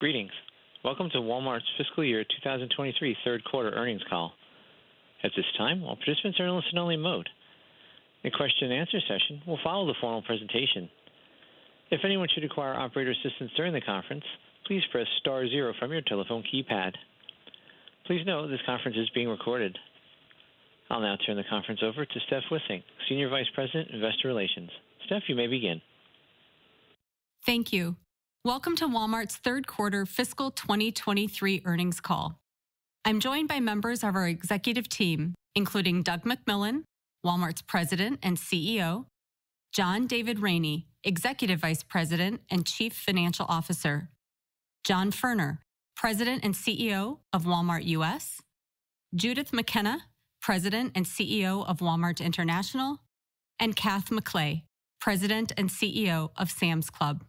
Greetings. Welcome to Walmart's Fiscal Year 2023 Q3 Earnings Call. At this time, all participants are in listen-only mode. A question and answer session will follow the formal presentation. If anyone should require operator assistance during the conference, please press star zero from your telephone keypad. Please note this conference is being recorded. I'll now turn the conference over to Steph Wissink, Senior Vice President, Investor Relations. Steph, you may begin. Thank you. Welcome to Walmart's Q3 fiscal 2023 earnings call. I'm joined by members of our executive team, including Doug McMillon, Walmart's President and CEO, John David Rainey, Executive Vice President and Chief Financial Officer, John Furner, President and CEO of Walmart U.S., Judith McKenna, President and CEO of Walmart International, and Kath McLay, President and CEO of Sam's Club.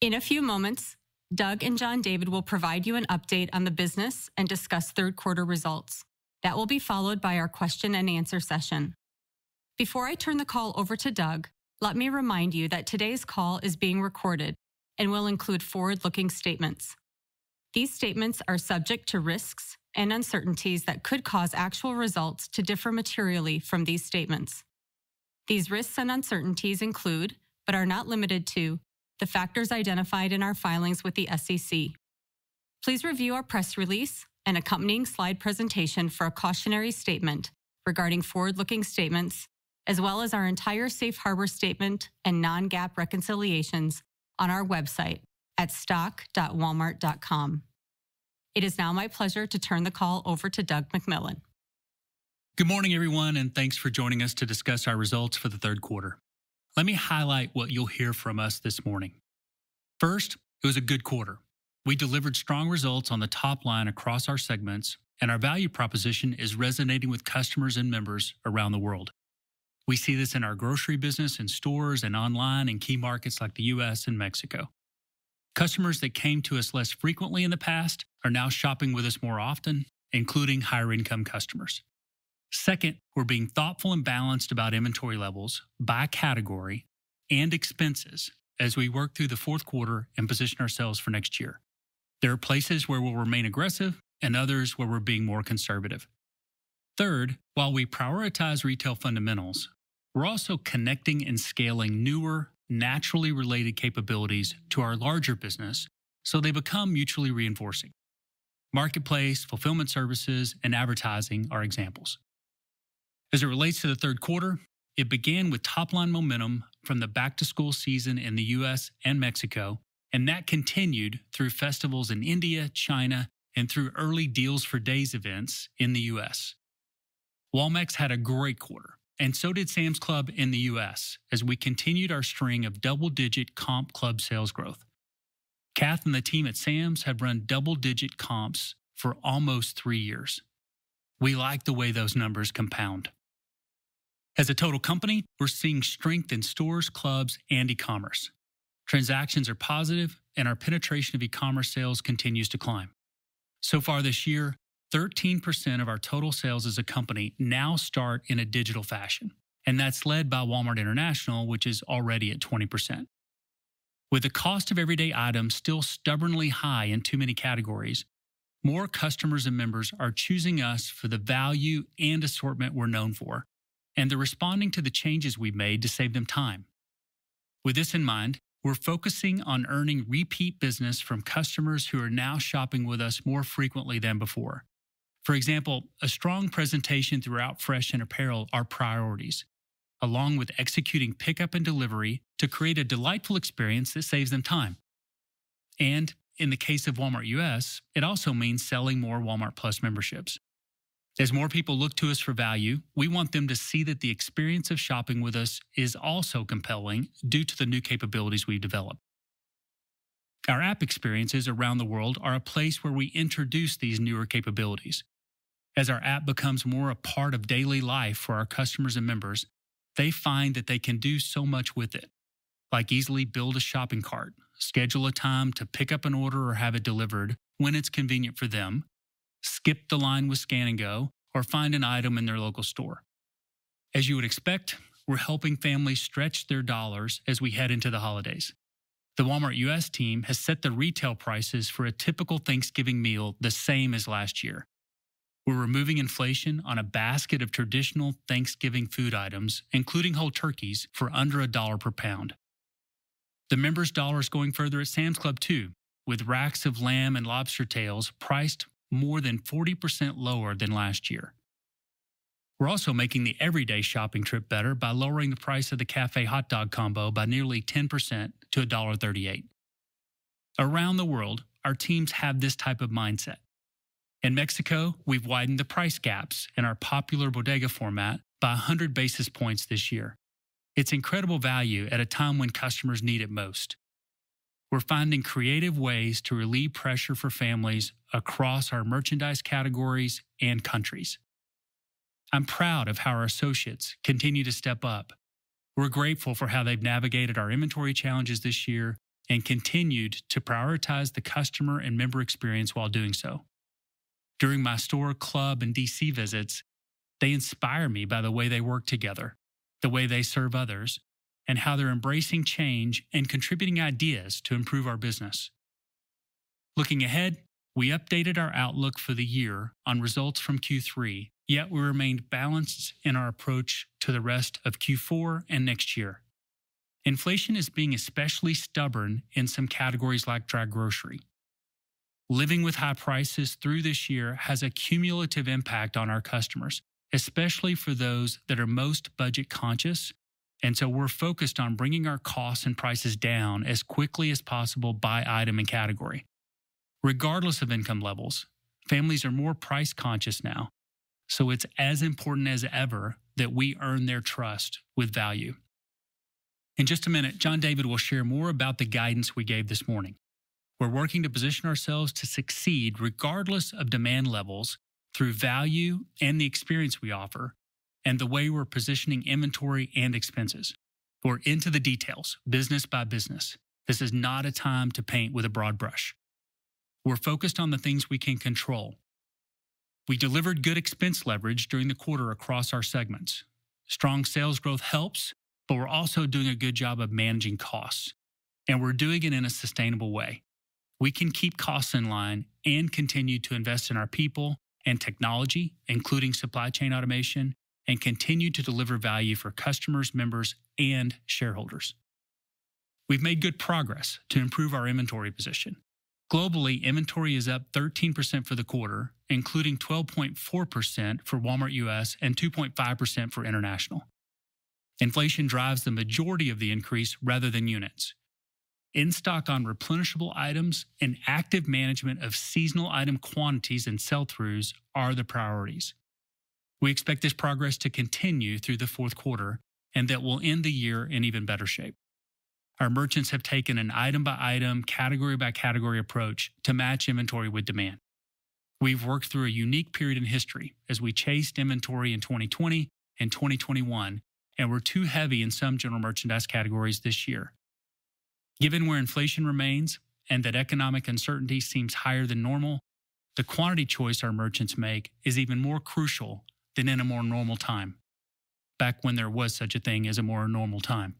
In a few moments, Doug and John David will provide you an update on the business and discuss Q3 results. That will be followed by our question and answer session. Before I turn the call over to Doug, let me remind you that today's call is being recorded and will include forward-looking statements. These statements are subject to risks and uncertainties that could cause actual results to differ materially from these statements. These risks and uncertainties include, but are not limited to, the factors identified in our filings with the SEC. Please review our press release and accompanying slide presentation for a cautionary statement regarding forward-looking statements as well as our entire safe harbor statement and non-GAAP reconciliations on our website at stock.walmart.com. It is now my pleasure to turn the call over to Doug McMillon. Good morning, everyone, and thanks for joining us to discuss our results for the Q3. Let me highlight what you'll hear from us this morning. First, it was a good quarter. We delivered strong results on the top line across our segments, and our value proposition is resonating with customers and members around the world. We see this in our grocery business in stores and online in key markets like the U.S. and Mexico. Customers that came to us less frequently in the past are now shopping with us more often, including higher income customers. Second, we're being thoughtful and balanced about inventory levels by category and expenses as we work through the Q4 and position ourselves for next year. There are places where we'll remain aggressive and others where we're being more conservative. Third, while we prioritize retail fundamentals, we're also connecting and scaling newer, naturally related capabilities to our larger business so they become mutually reinforcing. Marketplace, fulfillment services, and advertising are examples. As it relates to the Q3, it began with top-line momentum from the back-to-school season in the U.S. and Mexico, and that continued through festivals in India, China, and through early Deals for Days events in the U.S. Walmex had a great quarter, and so did Sam's Club in the U.S. as we continued our string of double-digit comp club sales growth. Kath and the team at Sam's have run double-digit comps for almost three years. We like the way those numbers compound. As a total company, we're seeing strength in stores, clubs, and e-commerce. Transactions are positive, and our penetration of e-commerce sales continues to climb. So far this year, 13% of our total sales as a company now start in a digital fashion, and that's led by Walmart International, which is already at 20%. With the cost of everyday items still stubbornly high in too many categories, more customers and members are choosing us for the value and assortment we're known for, and they're responding to the changes we've made to save them time. With this in mind, we're focusing on earning repeat business from customers who are now shopping with us more frequently than before. For example, a strong presentation throughout fresh and apparel are priorities, along with executing pickup and delivery to create a delightful experience that saves them time. In the case of Walmart U.S., it also means selling more Walmart+ memberships. As more people look to us for value, we want them to see that the experience of shopping with us is also compelling due to the new capabilities we've developed. Our app experiences around the world are a place where we introduce these newer capabilities. As our app becomes more a part of daily life for our customers and members, they find that they can do so much with it, like easily build a shopping cart, schedule a time to pick up an order or have it delivered when it's convenient for them, skip the line with Scan & Go, or find an item in their local store. As you would expect, we're helping families stretch their dollars as we head into the holidays. The Walmart U.S. team has set the retail prices for a typical Thanksgiving meal the same as last year. We're removing inflation on a basket of traditional Thanksgiving food items, including whole turkeys, for under $1 per pound. The members' dollar is going further at Sam's Club too, with racks of lamb and lobster tails priced more than 40% lower than last year. We're also making the everyday shopping trip better by lowering the price of the cafe hotdog combo by nearly 10% to $1.38. Around the world, our teams have this type of mindset. In Mexico, we've widened the price gaps in our popular Bodega format by 100 basis points this year. It's incredible value at a time when customers need it most. We're finding creative ways to relieve pressure for families across our merchandise categories and countries. I'm proud of how our associates continue to step up. We're grateful for how they've navigated our inventory challenges this year and continued to prioritize the customer and member experience while doing so. During my store, club, and DC visits, they inspire me by the way they work together, the way they serve others, and how they're embracing change and contributing ideas to improve our business. Looking ahead, we updated our outlook for the year on results from Q3, yet we remained balanced in our approach to the rest of Q4 and next year. Inflation is being especially stubborn in some categories like dry grocery. Living with high prices through this year has a cumulative impact on our customers, especially for those that are most budget-conscious, and so we're focused on bringing our costs and prices down as quickly as possible by item and category. Regardless of income levels, families are more price-conscious now, so it's as important as ever that we earn their trust with value. In just a minute, John David will share more about the guidance we gave this morning. We're working to position ourselves to succeed regardless of demand levels through value and the experience we offer and the way we're positioning inventory and expenses. We're into the details, business by business. This is not a time to paint with a broad brush. We're focused on the things we can control. We delivered good expense leverage during the quarter across our segments. Strong sales growth helps, but we're also doing a good job of managing costs, and we're doing it in a sustainable way. We can keep costs in line and continue to invest in our people and technology, including supply chain automation, and continue to deliver value for customers, members, and shareholders. We've made good progress to improve our inventory position. Globally, inventory is up 13% for the quarter, including 12.4% for Walmart U.S. and 2.5% for International. Inflation drives the majority of the increase rather than units. In-stock on replenishable items and active management of seasonal item quantities and sell-throughs are the priorities. We expect this progress to continue through the Q4 and that we'll end the year in even better shape. Our merchants have taken an item-by-item, category-by-category approach to match inventory with demand. We've worked through a unique period in history as we chased inventory in 2020 and 2021, and we're too heavy in some general merchandise categories this year. Given where inflation remains and that economic uncertainty seems higher than normal, the quantity choice our merchants make is even more crucial than in a more normal time, back when there was such a thing as a more normal time.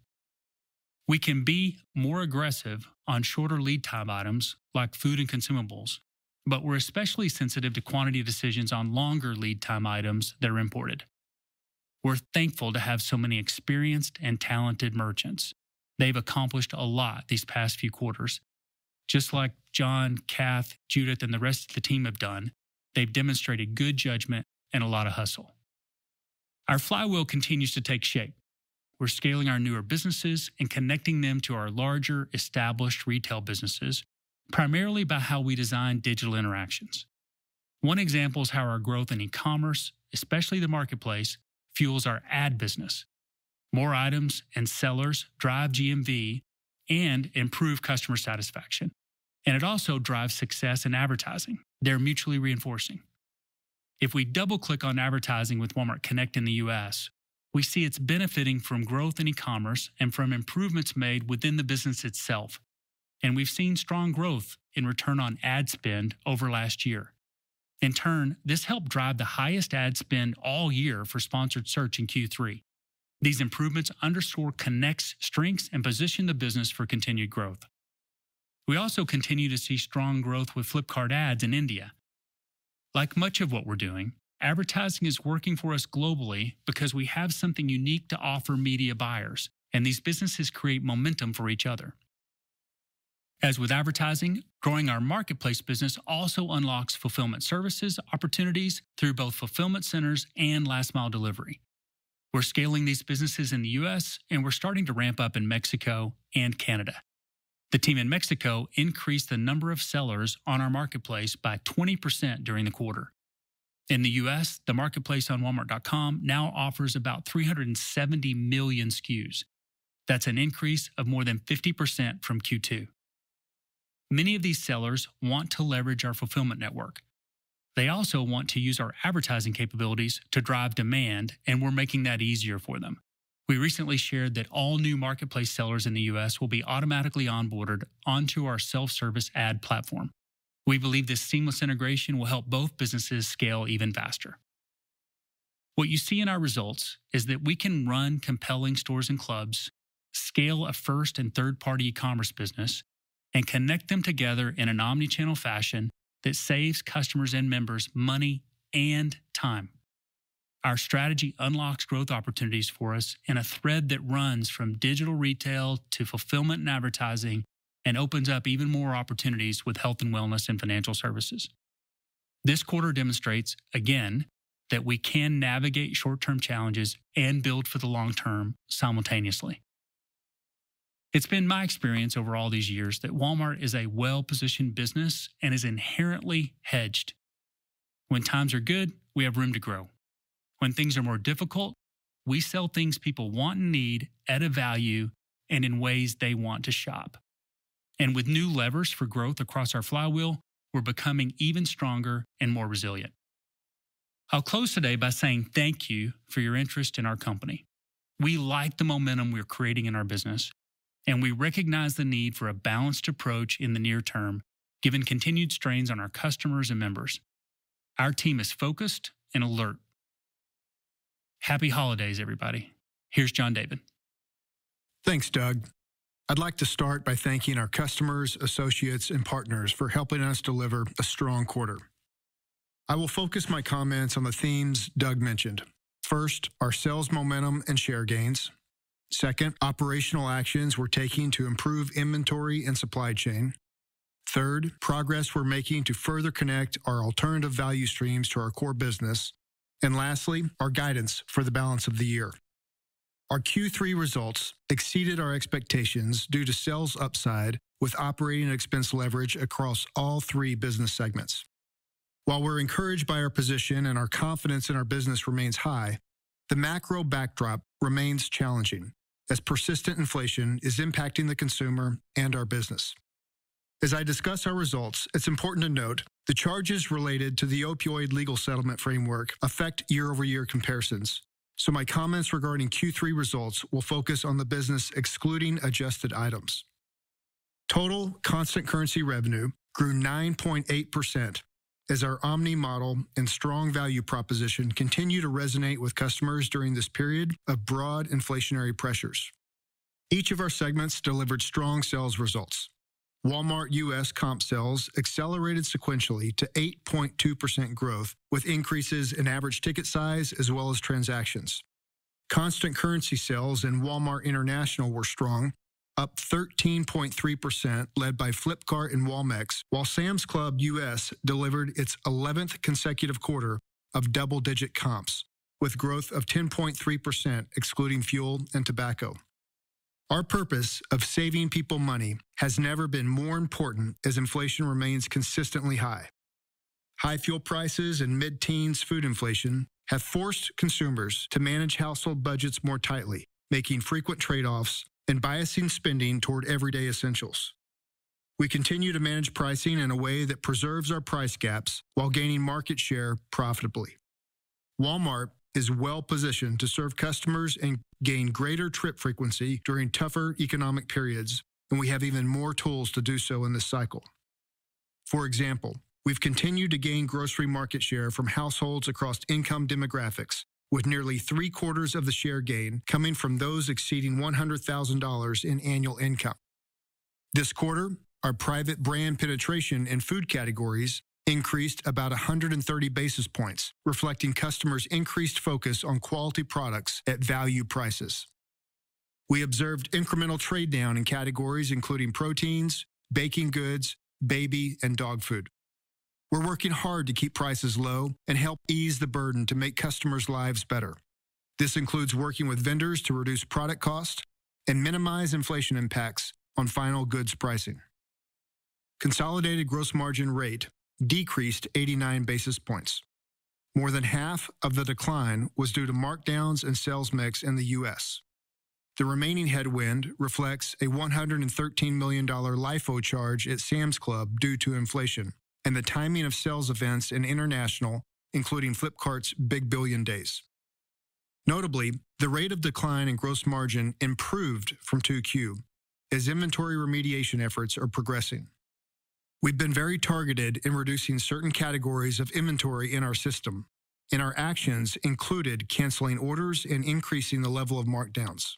We can be more aggressive on shorter lead time items like food and consumables, but we're especially sensitive to quantity decisions on longer lead time items that are imported. We're thankful to have so many experienced and talented merchants. They've accomplished a lot these past few quarters. Just like John, Kath, Judith, and the rest of the team have done, they've demonstrated good judgment and a lot of hustle. Our flywheel continues to take shape. We're scaling our newer businesses and connecting them to our larger, established retail businesses, primarily by how we design digital interactions. One example is how our growth in e-commerce, especially the Marketplace, fuels our ad business. More items and sellers drive GMV and improve customer satisfaction, and it also drives success in advertising. They're mutually reinforcing. If we double-click on advertising with Walmart Connect in the U.S., we see it's benefiting from growth in e-commerce and from improvements made within the business itself, and we've seen strong growth in return on ad spend over last year. In turn, this helped drive the highest ad spend all year for sponsored search in Q3. These improvements underscore Connect's strengths and position the business for continued growth. We also continue to see strong growth with Flipkart Ads in India. Like much of what we're doing, advertising is working for us globally because we have something unique to offer media buyers, and these businesses create momentum for each other. As with advertising, growing our Marketplace business also unlocks fulfillment services opportunities through both fulfillment centers and last-mile delivery. We're scaling these businesses in the U.S., and we're starting to ramp up in Mexico and Canada. The team in Mexico increased the number of sellers on our Marketplace by 20% during the quarter. In the U.S., the Marketplace on Walmart.com now offers about 370 million SKUs. That's an increase of more than 50% from Q2. Many of these sellers want to leverage our fulfillment network. They also want to use our advertising capabilities to drive demand, and we're making that easier for them. We recently shared that all new Marketplace sellers in the U.S. will be automatically onboarded onto our self-service ad platform. We believe this seamless integration will help both businesses scale even faster. What you see in our results is that we can run compelling stores and clubs, scale a first and third-party commerce business, and connect them together in an omnichannel fashion that saves customers and members money and time. Our strategy unlocks growth opportunities for us in a thread that runs from digital retail to fulfillment and advertising and opens up even more opportunities with health and wellness and financial services. This quarter demonstrates, again, that we can navigate short-term challenges and build for the long term simultaneously. It's been my experience over all these years that Walmart is a well-positioned business and is inherently hedged. When times are good, we have room to grow. When things are more difficult, we sell things people want and need at a value and in ways they want to shop. With new levers for growth across our flywheel, we're becoming even stronger and more resilient. I'll close today by saying thank you for your interest in our company. We like the momentum we're creating in our business, and we recognize the need for a balanced approach in the near term, given continued strains on our customers and members. Our team is focused and alert. Happy holidays, everybody. Here's John David. Thanks, Doug. I'd like to start by thanking our customers, associates, and partners for helping us deliver a strong quarter. I will focus my comments on the themes Doug mentioned. First, our sales momentum and share gains. Second, operational actions we're taking to improve inventory and supply chain. Third, progress we're making to further connect our alternative value streams to our core business. Lastly, our guidance for the balance of the year. Our Q3 results exceeded our expectations due to sales upside with operating expense leverage across all three business segments. While we're encouraged by our position and our confidence in our business remains high, the macro backdrop remains challenging as persistent inflation is impacting the consumer and our business. As I discuss our results, it's important to note the charges related to the opioid legal settlement framework affect year-over-year comparisons, so my comments regarding Q3 results will focus on the business excluding adjusted items. Total constant currency revenue grew 9.8% as our omnimodel and strong value proposition continue to resonate with customers during this period of broad inflationary pressures. Each of our segments delivered strong sales results. Walmart U.S. comp sales accelerated sequentially to 8.2% growth, with increases in average ticket size as well as transactions. Constant currency sales in Walmart International were strong, up 13.3% led by Flipkart and Walmex, while Sam's Club U.S. delivered its eleventh consecutive quarter of double-digit comps, with growth of 10.3% excluding fuel and tobacco. Our purpose of saving people money has never been more important as inflation remains consistently high. High fuel prices and mid-teens food inflation have forced consumers to manage household budgets more tightly, making frequent trade-offs and biasing spending toward everyday essentials. We continue to manage pricing in a way that preserves our price gaps while gaining market share profitably. Walmart is well-positioned to serve customers and gain greater trip frequency during tougher economic periods, and we have even more tools to do so in this cycle. For example, we've continued to gain grocery market share from households across income demographics, with nearly 3/4 of the share gain coming from those exceeding $100,000 in annual income. This quarter, our private brand penetration in food categories increased about 130 basis points, reflecting customers' increased focus on quality products at value prices. We observed incremental trade down in categories including proteins, baking goods, baby, and dog food. We're working hard to keep prices low and help ease the burden to make customers' lives better. This includes working with vendors to reduce product cost and minimize inflation impacts on final goods pricing. Consolidated gross margin rate decreased 89 basis points. More than 1/2 of the decline was due to markdowns and sales mix in the U.S. The remaining headwind reflects a $113 million LIFO charge at Sam's Club due to inflation and the timing of sales events in International, including Flipkart's Big Billion Days. Notably, the rate of decline in gross margin improved from 2Q as inventory remediation efforts are progressing. We've been very targeted in reducing certain categories of inventory in our system, and our actions included canceling orders and increasing the level of markdowns.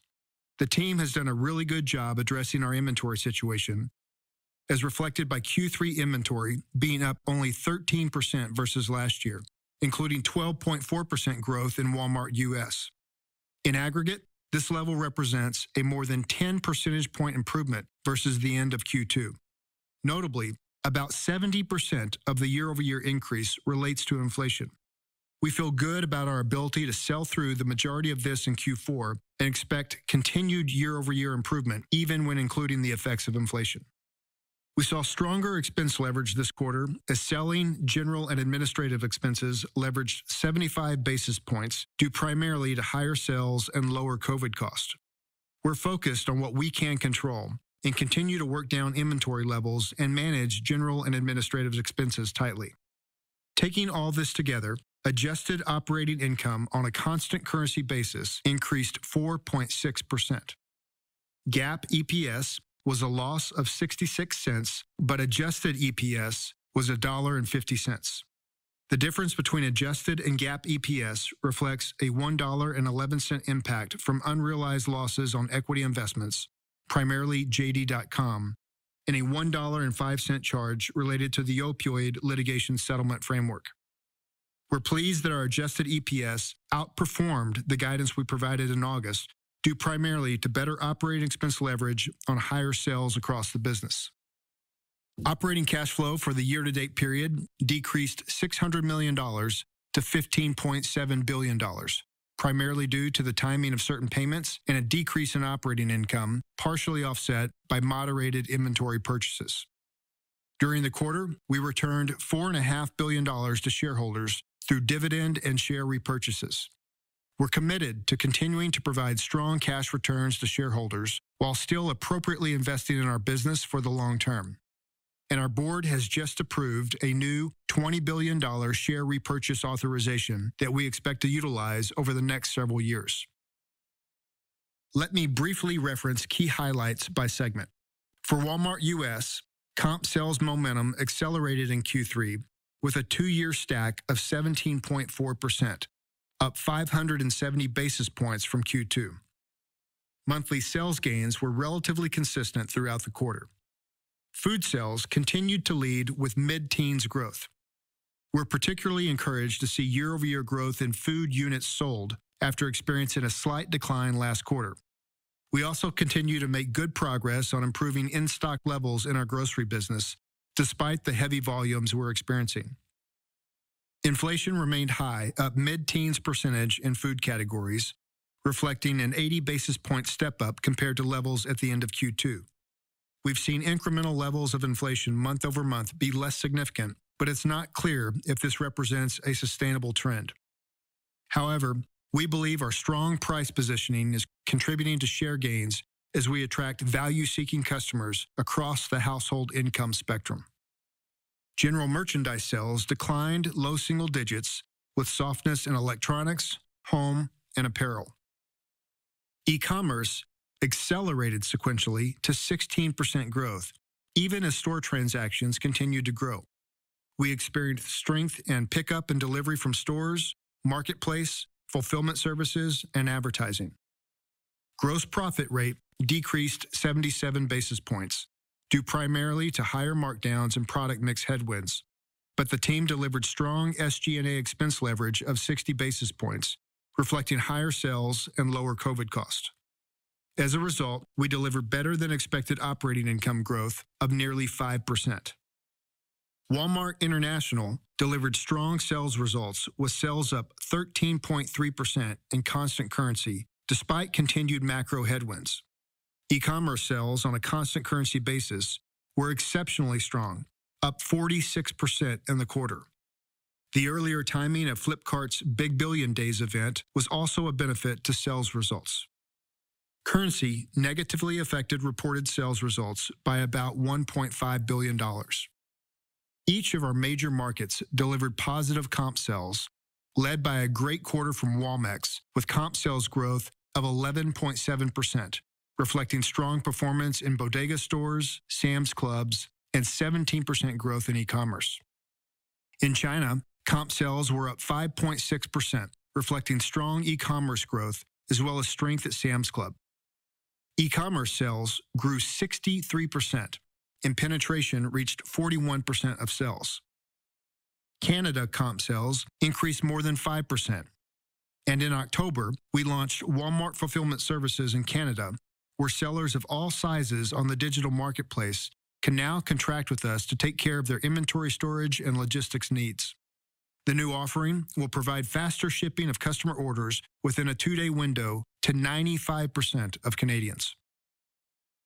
The team has done a really good job addressing our inventory situation, as reflected by Q3 inventory being up only 13% versus last year, including 12.4% growth in Walmart U.S. In aggregate, this level represents a more than 10 percentage point improvement versus the end of Q2. Notably, about 70% of the year-over-year increase relates to inflation. We feel good about our ability to sell through the majority of this in Q4 and expect continued year-over-year improvement, even when including the effects of inflation. We saw stronger expense leverage this quarter as selling, general, and administrative expenses leveraged 75 basis points due primarily to higher sales and lower COVID costs. We're focused on what we can control and continue to work down inventory levels and manage general and administrative expenses tightly. Taking all this together, adjusted operating income on a constant currency basis increased 4.6%. GAAP EPS was a loss of $0.66, but adjusted EPS was $1.50. The difference between adjusted and GAAP EPS reflects a $1.11 impact from unrealized losses on equity investments, primarily JD.com, and a $1.05 charge related to the opioid litigation settlement framework. We're pleased that our adjusted EPS outperformed the guidance we provided in August, due primarily to better operating expense leverage on higher sales across the business. Operating cash flow for the year-to-date period decreased $600 million to $15.7 billion, primarily due to the timing of certain payments and a decrease in operating income, partially offset by moderated inventory purchases. During the quarter, we returned $4.5 billion to shareholders through dividends and share repurchases. We're committed to continuing to provide strong cash returns to shareholders while still appropriately investing in our business for the long term. Our board has just approved a new $20 billion share repurchase authorization that we expect to utilize over the next several years. Let me briefly reference key highlights by segment. For Walmart U.S., comp sales momentum accelerated in Q3 with a two-year stack of 17.4%, up 570 basis points from Q2. Monthly sales gains were relatively consistent throughout the quarter. Food sales continued to lead with mid-teens growth. We're particularly encouraged to see year-over-year growth in food units sold after experiencing a slight decline last quarter. We also continue to make good progress on improving in-stock levels in our grocery business despite the heavy volumes we're experiencing. Inflation remained high, up mid-teens % in food categories, reflecting an 80 basis point step-up compared to levels at the end of Q2. We've seen incremental levels of inflation month-over-month be less significant, but it's not clear if this represents a sustainable trend. However, we believe our strong price positioning is contributing to share gains as we attract value-seeking customers across the household income spectrum. General merchandise sales declined low single digits with softness in electronics, home, and apparel. e-commerce accelerated sequentially to 16% growth even as store transactions continued to grow. We experienced strength in pickup and delivery from stores, marketplace, fulfillment services, and advertising. Gross profit rate decreased 77 basis points due primarily to higher markdowns and product mix headwinds. The team delivered strong SG&A expense leverage of 60 basis points, reflecting higher sales and lower COVID costs. As a result, we delivered better-than-expected operating income growth of nearly 5%. Walmart International delivered strong sales results, with sales up 13.3% in constant currency despite continued macro headwinds. E-commerce sales on a constant currency basis were exceptionally strong, up 46% in the quarter. The earlier timing of Flipkart's Big Billion Days event was also a benefit to sales results. Currency negatively affected reported sales results by about $1.5 billion. Each of our major markets delivered positive comp sales, led by a great quarter from Walmex, with comp sales growth of 11.7%, reflecting strong performance in bodega stores, Sam's Clubs, and 17% growth in e-commerce. In China, comp sales were up 5.6%, reflecting strong e-commerce growth as well as strength at Sam's Club. E-commerce sales grew 63%, and penetration reached 41% of sales. Canada comp sales increased more than 5%. In October, we launched Walmart Fulfillment Services in Canada, where sellers of all sizes on the digital marketplace can now contract with us to take care of their inventory storage and logistics needs. The new offering will provide faster shipping of customer orders within a two-day window to 95% of Canadians.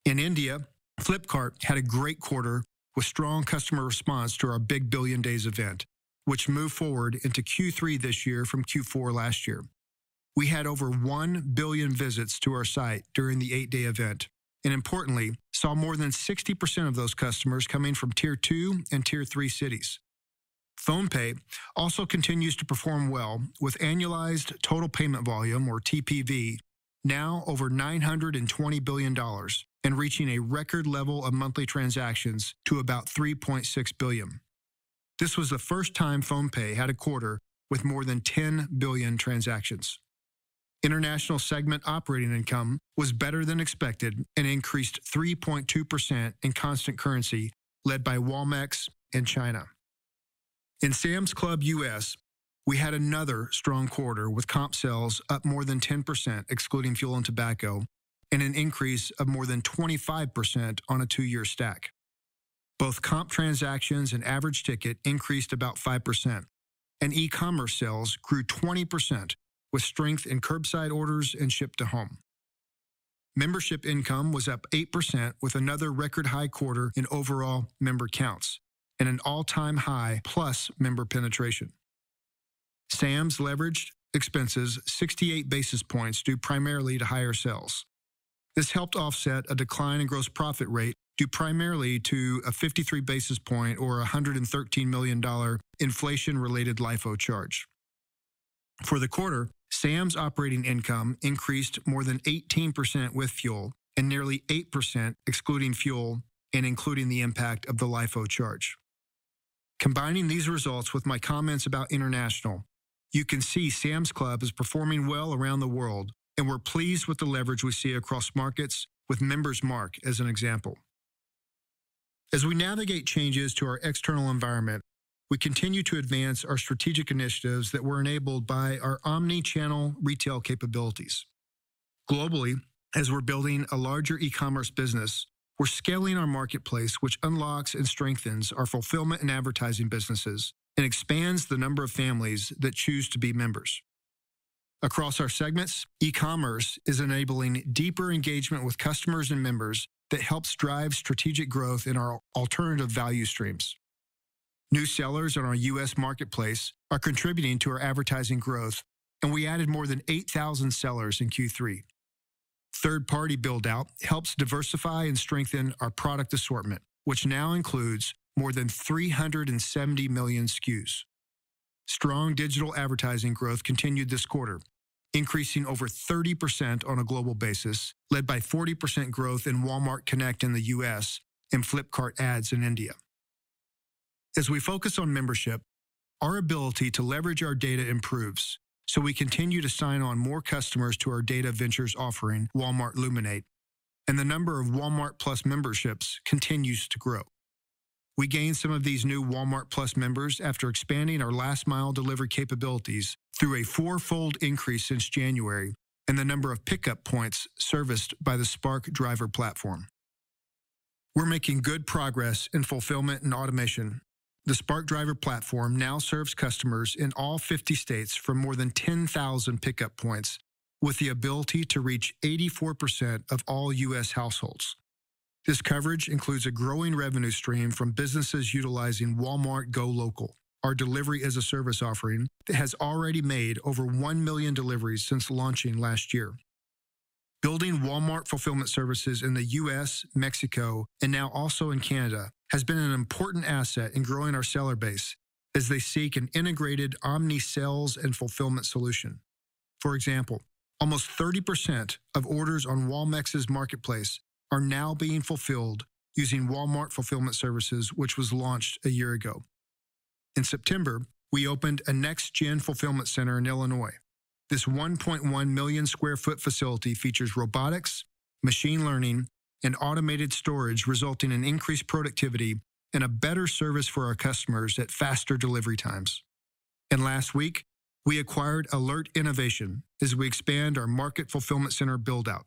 In India, Flipkart had a great quarter with strong customer response to our Big Billion Days event, which moved forward into Q3 this year from Q4 last year. We had over one billion visits to our site during the eight-day event and importantly, saw more than 60% of those customers coming from Tier 2 and Tier 3 cities. PhonePe also continues to perform well with annualized total payment volume or TPV now over $920 billion and reaching a record level of monthly transactions to about 3.6 billion. This was the first time PhonePe had a quarter with more than 10 billion transactions. International segment operating income was better than expected and increased 3.2% in constant currency, led by Walmex and China. In Sam's Club U.S., we had another strong quarter with comp sales up more than 10% excluding fuel and tobacco, and an increase of more than 25% on a two-year stack. Both comp transactions and average ticket increased about 5%, and e-commerce sales grew 20% with strength in curbside orders and ship-to-home. Membership income was up 8% with another record high quarter in overall member counts and an all-time high plus member penetration. Sam's leveraged expenses 68 basis points due primarily to higher sales. This helped offset a decline in gross profit rate, due primarily to a 53 basis points or $113 million inflation-related LIFO charge. For the quarter, Sam's operating income increased more than 18% with fuel and nearly 8% excluding fuel and including the impact of the LIFO charge. Combining these results with my comments about international, you can see Sam's Club is performing well around the world, and we're pleased with the leverage we see across markets with Member's Mark as an example. As we navigate changes to our external environment, we continue to advance our strategic initiatives that were enabled by our omnichannel retail capabilities. Globally, as we're building a larger e-commerce business, we're scaling our marketplace, which unlocks and strengthens our fulfillment and advertising businesses and expands the number of families that choose to be members. Across our segments, e-commerce is enabling deeper engagement with customers and members that helps drive strategic growth in our alternative value streams. New sellers on our U.S. marketplace are contributing to our advertising growth, and we added more than 8,000 sellers in Q3. Third-party build-out helps diversify and strengthen our product assortment, which now includes more than 370 million SKUs. Strong digital advertising growth continued this quarter, increasing over 30% on a global basis, led by 40% growth in Walmart Connect in the U.S. and Flipkart Ads in India. As we focus on membership, our ability to leverage our data improves, so we continue to sign on more customers to our data ventures offering, Walmart Luminate, and the number of Walmart+ memberships continues to grow. We gained some of these new Walmart+ members after expanding our last-mile delivery capabilities through a four-fold increase since January and the number of pickup points serviced by the Spark Driver platform. We're making good progress in fulfillment and automation. The Spark Driver platform now serves customers in all 50 states for more than 10,000 pickup points with the ability to reach 84% of all U.S. households. This coverage includes a growing revenue stream from businesses utilizing Walmart GoLocal, our delivery-as-a-service offering that has already made over one million deliveries since launching last year. Building Walmart Fulfillment Services in the U.S., Mexico, and now also in Canada, has been an important asset in growing our seller base as they seek an integrated omni-sales and fulfillment solution. For example, almost 30% of orders on Walmex's marketplace are now being fulfilled using Walmart Fulfillment Services, which was launched a year ago. In September, we opened a next-gen fulfillment center in Illinois. This 1.1 million sq ft facility features robotics, machine learning, and automated storage, resulting in increased productivity and a better service for our customers at faster delivery times. Last week, we acquired Alert Innovation as we expand our MFC build-out.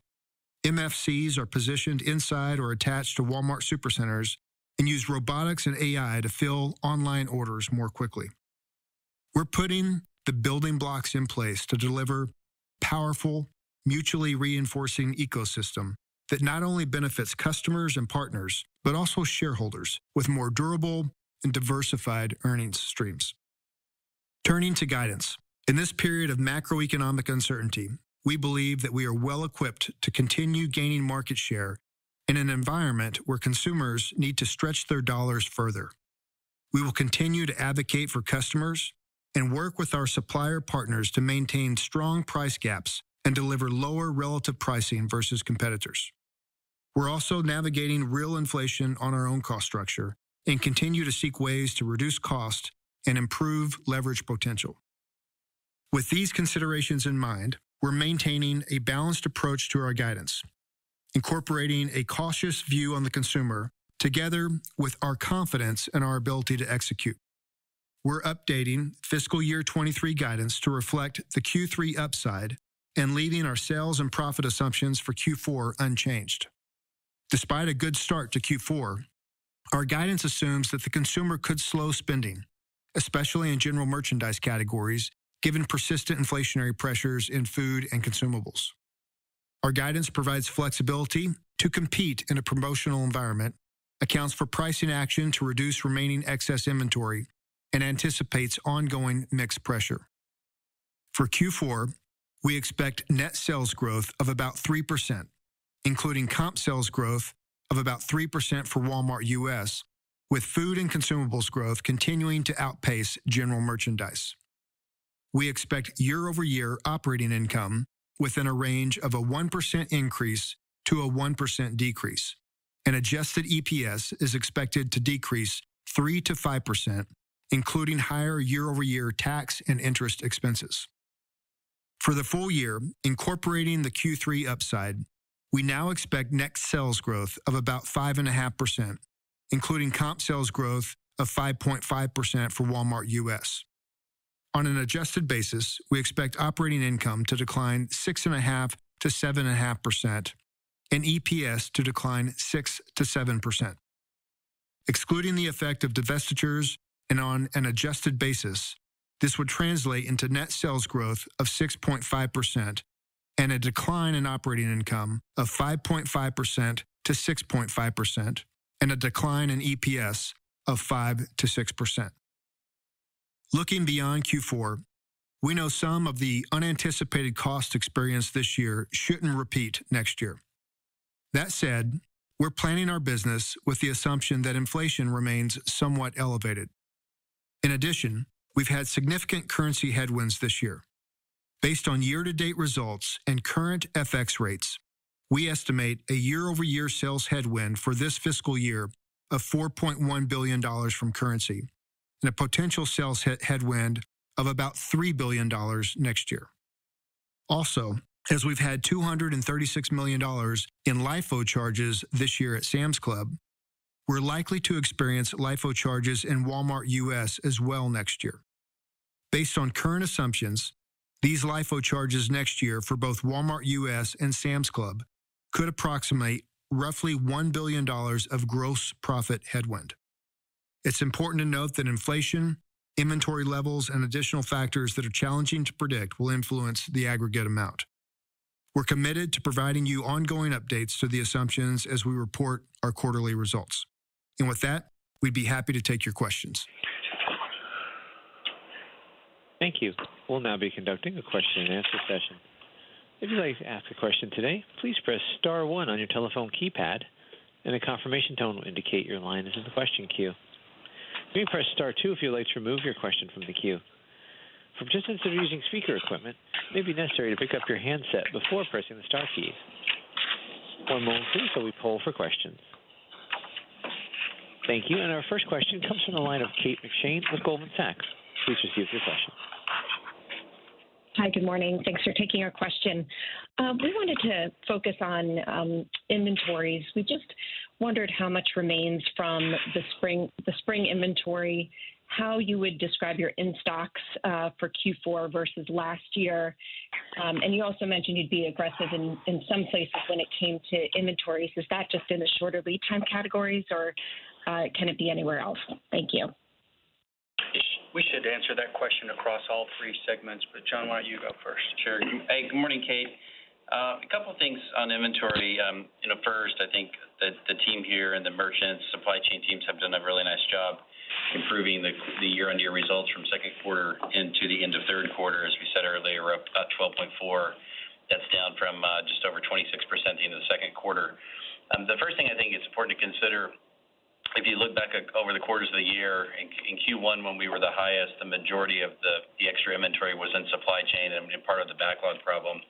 MFCs are positioned inside or attached to Walmart Supercenters and use robotics and AI to fill online orders more quickly. We're putting the building blocks in place to deliver powerful, mutually reinforcing ecosystem that not only benefits customers and partners but also shareholders with more durable and diversified earnings streams. Turning to guidance. In this period of macroeconomic uncertainty, we believe that we are well-equipped to continue gaining market share in an environment where consumers need to stretch their dollars further. We will continue to advocate for customers and work with our supplier partners to maintain strong price gaps and deliver lower relative pricing versus competitors. We're also navigating real inflation on our own cost structure and continue to seek ways to reduce cost and improve leverage potential. With these considerations in mind, we're maintaining a balanced approach to our guidance, incorporating a cautious view on the consumer together with our confidence in our ability to execute. We're updating fiscal year 2023 guidance to reflect the Q3 upside and leaving our sales and profit assumptions for Q4 unchanged. Despite a good start to Q4, our guidance assumes that the consumer could slow spending, especially in general merchandise categories, given persistent inflationary pressures in food and consumables. Our guidance provides flexibility to compete in a promotional environment, accounts for pricing action to reduce remaining excess inventory, and anticipates ongoing mix pressure. For Q4, we expect net sales growth of about 3%, including comp sales growth of about 3% for Walmart U.S., with food and consumables growth continuing to outpace general merchandise. We expect year-over-year operating income within a range of a 1% increase to a 1% decrease, and adjusted EPS is expected to decrease 3%-5%, including higher year-over-year tax and interest expenses. For the full year, incorporating the Q3 upside, we now expect net sales growth of about 5.5%, including comp sales growth of 5.5% for Walmart U.S. On an adjusted basis, we expect operating income to decline 6.5%-7.5% and EPS to decline 6%-7%. Excluding the effect of divestitures and on an adjusted basis, this would translate into net sales growth of 6.5% and a decline in operating income of 5.5%-6.5% and a decline in EPS of 5%-6%. Looking beyond Q4, we know some of the unanticipated costs experienced this year shouldn't repeat next year. That said, we're planning our business with the assumption that inflation remains somewhat elevated. In addition, we've had significant currency headwinds this year. Based on year-to-date results and current FX rates, we estimate a year-over-year sales headwind for this fiscal year of $4.1 billion from currency and a potential sales headwind of about $3 billion next year. Also, as we've had $236 million in LIFO charges this year at Sam's Club, we're likely to experience LIFO charges in Walmart U.S. as well next year. Based on current assumptions, these LIFO charges next year for both Walmart U.S. and Sam's Club could approximate roughly $1 billion of gross profit headwind. It's important to note that inflation, inventory levels, and additional factors that are challenging to predict will influence the aggregate amount. We're committed to providing you ongoing updates to the assumptions as we report our quarterly results. With that, we'd be happy to take your questions. Thank you. We'll now be conducting a question and answer session. If you'd like to ask a question today, please press star one on your telephone keypad and a confirmation tone will indicate your line is in the question queue. You may press star two if you'd like to remove your question from the queue. For participants who are using speaker equipment, it may be necessary to pick up your handset before pressing the star key. One moment please while we poll for questions. Thank you. Our first question comes from the line of Kate McShane with Goldman Sachs. Please proceed with your question. Hi. Good morning. Thanks for taking our question. We wanted to focus on inventories. We just wondered how much remains from the spring inventory, how you would describe your in-stocks for Q4 versus last year. You also mentioned you'd be aggressive in some places when it came to inventories. Is that just in the shorter lead time categories or can it be anywhere else? Thank you. We should answer that question across all three segments, but John, why don't you go first? Sure. Hey, good morning, Kate. A couple things on inventory. You know, first, I think that the team here and the merchants, supply chain teams have done a really nice job improving the year-on-year results from Q2 into the end of Q3. As we said earlier, we're up about 12.4%. That's down from just over 26% the end of the Q2. The first thing I think it's important to consider, if you look back over the quarters of the year in Q1 when we were the highest, the majority of the extra inventory was in supply chain and part of the backlog problem.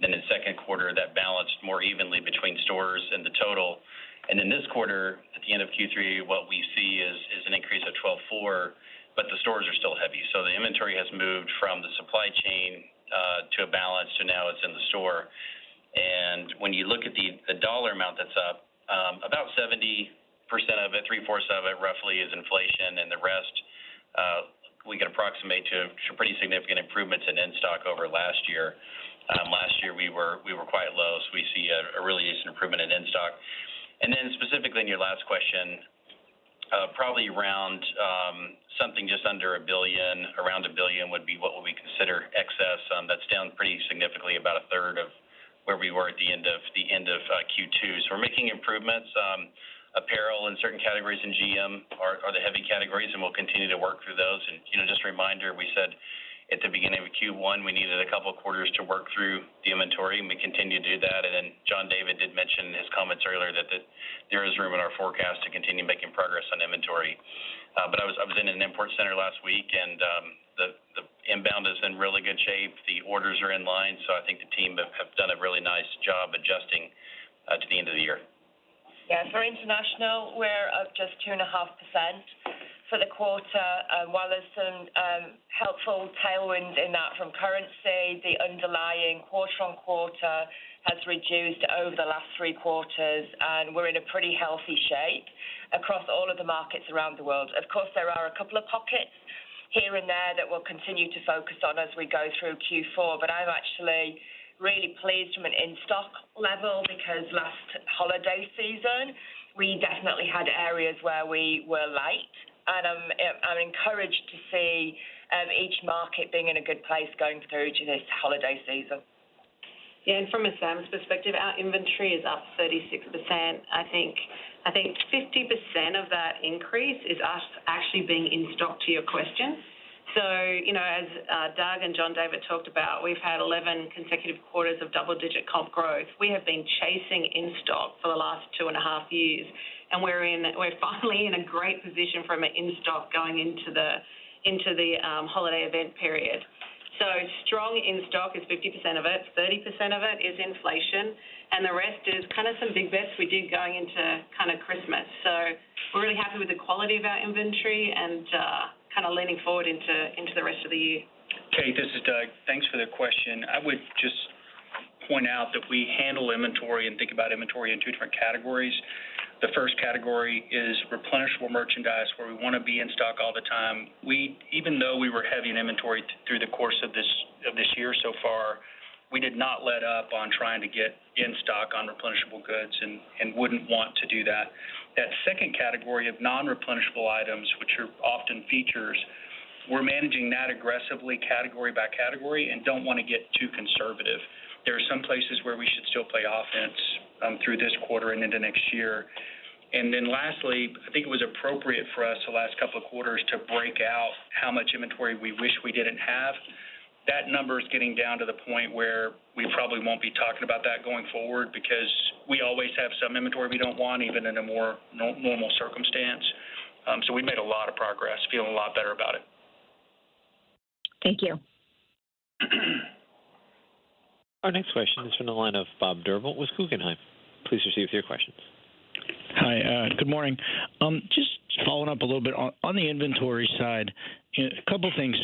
In Q2, that balanced more evenly between stores and the total. In this quarter, at the end of Q3, what we see is an increase of 12.4%, but the stores are still heavy. The inventory has moved from the supply chain to a balance. Now it's in the store. When you look at the dollar amount that's up, about 70% of it, three-fourths of it, roughly, is inflation. The rest we can approximate to pretty significant improvements in in-stock over last year. Last year we were quite low. We see a really decent improvement in in-stock. Then specifically in your last question, probably around something just under $1 billion, around $1 billion would be what we consider excess. That's down pretty significantly, about 1/3 of where we were at the end of Q2. We're making improvements. Apparel in certain categories in GM are the heavy categories, and we'll continue to work through those. You know, just a reminder, we said at the beginning of Q1 we needed a couple of quarters to work through the inventory, and we continue to do that. John David did mention in his comments earlier that there is room in our forecast to continue making progress on inventory. I was in an import center last week and, the inbound is in really good shape. The orders are in line. I think the team have done a really nice job adjusting to the end of the year. Yeah. For International, we're up just 2.5% for the quarter. While there's some helpful tailwind in that from currency, the underlying quarter-over-quarter has reduced over the last three quarters, and we're in a pretty healthy shape across all of the markets around the world. Of course, there are a couple of pockets here and there that we'll continue to focus on as we go through Q4, but I'm actually really pleased from an in-stock level because last holiday season we definitely had areas where we were late and I'm encouraged to see each market being in a good place going through to this holiday season. Yeah, from a Sam's perspective, our inventory is up 36%. I think 50% of that increase is us actually being in stock to your question. You know, as Doug and John David talked about, we've had 11 consecutive quarters of double-digit comp growth. We have been chasing in stock for the last 2.5 years, and we're finally in a great position from an in-stock going into the holiday event period. Strong in stock is 50% of it, 30% of it is inflation, and the rest is kind of some big bets we did going into kind of Christmas. We're really happy with the quality of our inventory and kind of leaning forward into the rest of the year. Kate, this is Doug. Thanks for the question. I would just point out that we handle inventory and think about inventory in two different categories. The first category is replenishable merchandise, where we wanna be in stock all the time. Even though we were heavy in inventory through the course of this year so far, we did not let up on trying to get in stock on replenishable goods and wouldn't want to do that. That second category of non-replenishable items, which are often features, we're managing that aggressively category by category and don't wanna get too conservative. There are some places where we should still play offense through this quarter and into next year. Lastly, I think it was appropriate for us the last couple of quarters to break out how much inventory we wish we didn't have. That number is getting down to the point where we probably won't be talking about that going forward because we always have some inventory we don't want, even in a more normal circumstance. We made a lot of progress. Feeling a lot better about it. Thank you. Our next question is from the line of Bob Drbul with Guggenheim. Please proceed with your questions. Hi, good morning. Just following up a little bit on the inventory side, you know, a couple things.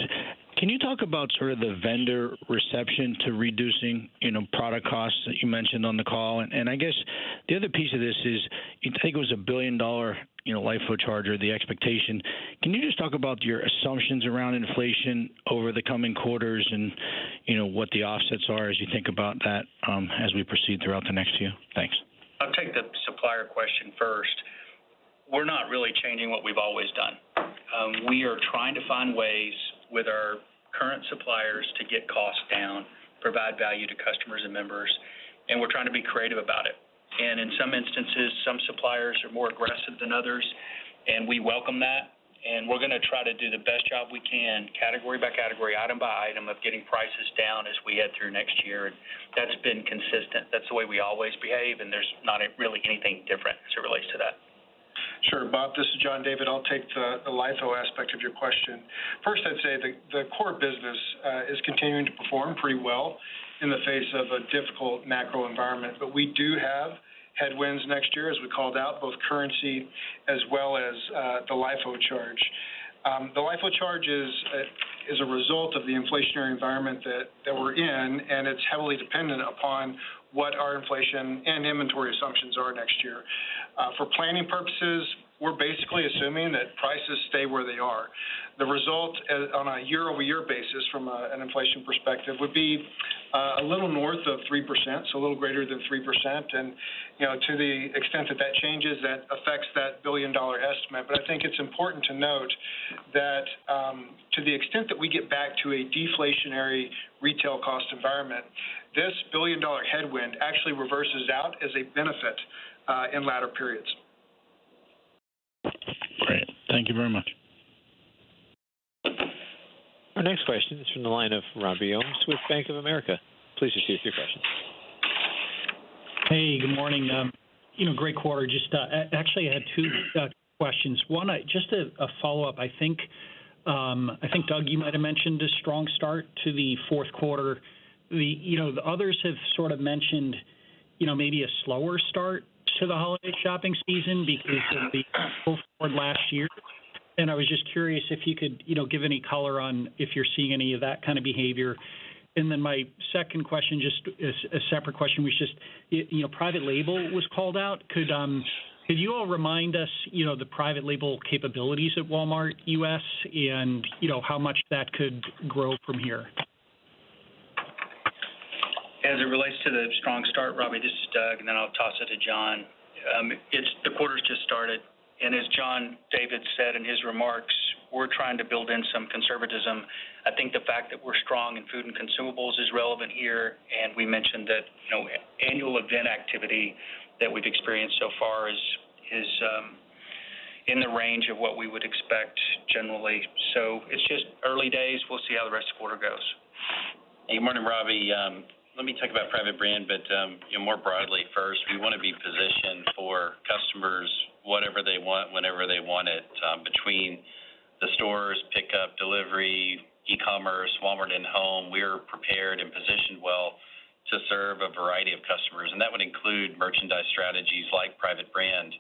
Can you talk about sort of the vendor reception to reducing, you know, product costs that you mentioned on the call? And I guess the other piece of this is, I think it was a $1 billion, you know, LIFO charge or the expectation. Can you just talk about your assumptions around inflation over the coming quarters and, you know, what the offsets are as you think about that, as we proceed throughout the next year? Thanks. I'll take the supplier question first. We're not really changing what we've always done. We are trying to find ways with our current suppliers to get costs to provide value to customers and members, and we're trying to be creative about it. In some instances, some suppliers are more aggressive than others, and we welcome that. We're going to try to do the best job we can, category by category, item by item, of getting prices down as we head through next year. That's been consistent. That's the way we always behave, and there's not really anything different as it relates to that. Sure. Bob, this is John David Rainey. I'll take the LIFO aspect of your question. First, I'd say the core business is continuing to perform pretty well in the face of a difficult macro environment. We do have headwinds next year, as we called out, both currency as well as the LIFO charge. The LIFO charge is a result of the inflationary environment that we're in, and it's heavily dependent upon what our inflation and inventory assumptions are next year. For planning purposes, we're basically assuming that prices stay where they are. The result on a year-over-year basis from an inflation perspective would be a little north of 3%, so a little greater than 3%. You know, to the extent that that changes, that affects that billion-dollar estimate. I think it's important to note that, to the extent that we get back to a deflationary retail cost environment, this billion-dollar headwind actually reverses out as a benefit, in latter periods. Great. Thank you very much. Our next question is from the line of Robbie Ohmes with Bank of America. Please proceed with your question. Hey, good morning. You know, great quarter. Just, actually, I had two questions. One, just a follow-up. I think, Doug, you might have mentioned a strong start to the Q4. You know, the others have sort of mentioned, you know, maybe a slower start to the holiday shopping season because of the last year. I was just curious if you could, you know, give any color on if you're seeing any of that kind of behavior. Then my second question, just as a separate question, was just, you know, private label was called out. Could you all remind us, you know, the private label capabilities at Walmart U.S. and, you know, how much that could grow from here? As it relates to the strong start, Robbie, this is Doug, and then I'll toss it to John. It's the quarter's just started, and as John David said in his remarks, we're trying to build in some conservatism. I think the fact that we're strong in food and consumables is relevant here, and we mentioned that, you know, annual event activity that we've experienced so far is in the range of what we would expect generally. It's just early days. We'll see how the rest of the quarter goes. Hey. Morning, Robbie. Let me talk about private brand, but you know, more broadly first. We want to be positioned for customers, whatever they want, whenever they want it. Between the stores, pickup, delivery, e-commerce, Walmart InHome, we're prepared and positioned well to serve a variety of customers, and that would include merchandise strategies like private brand.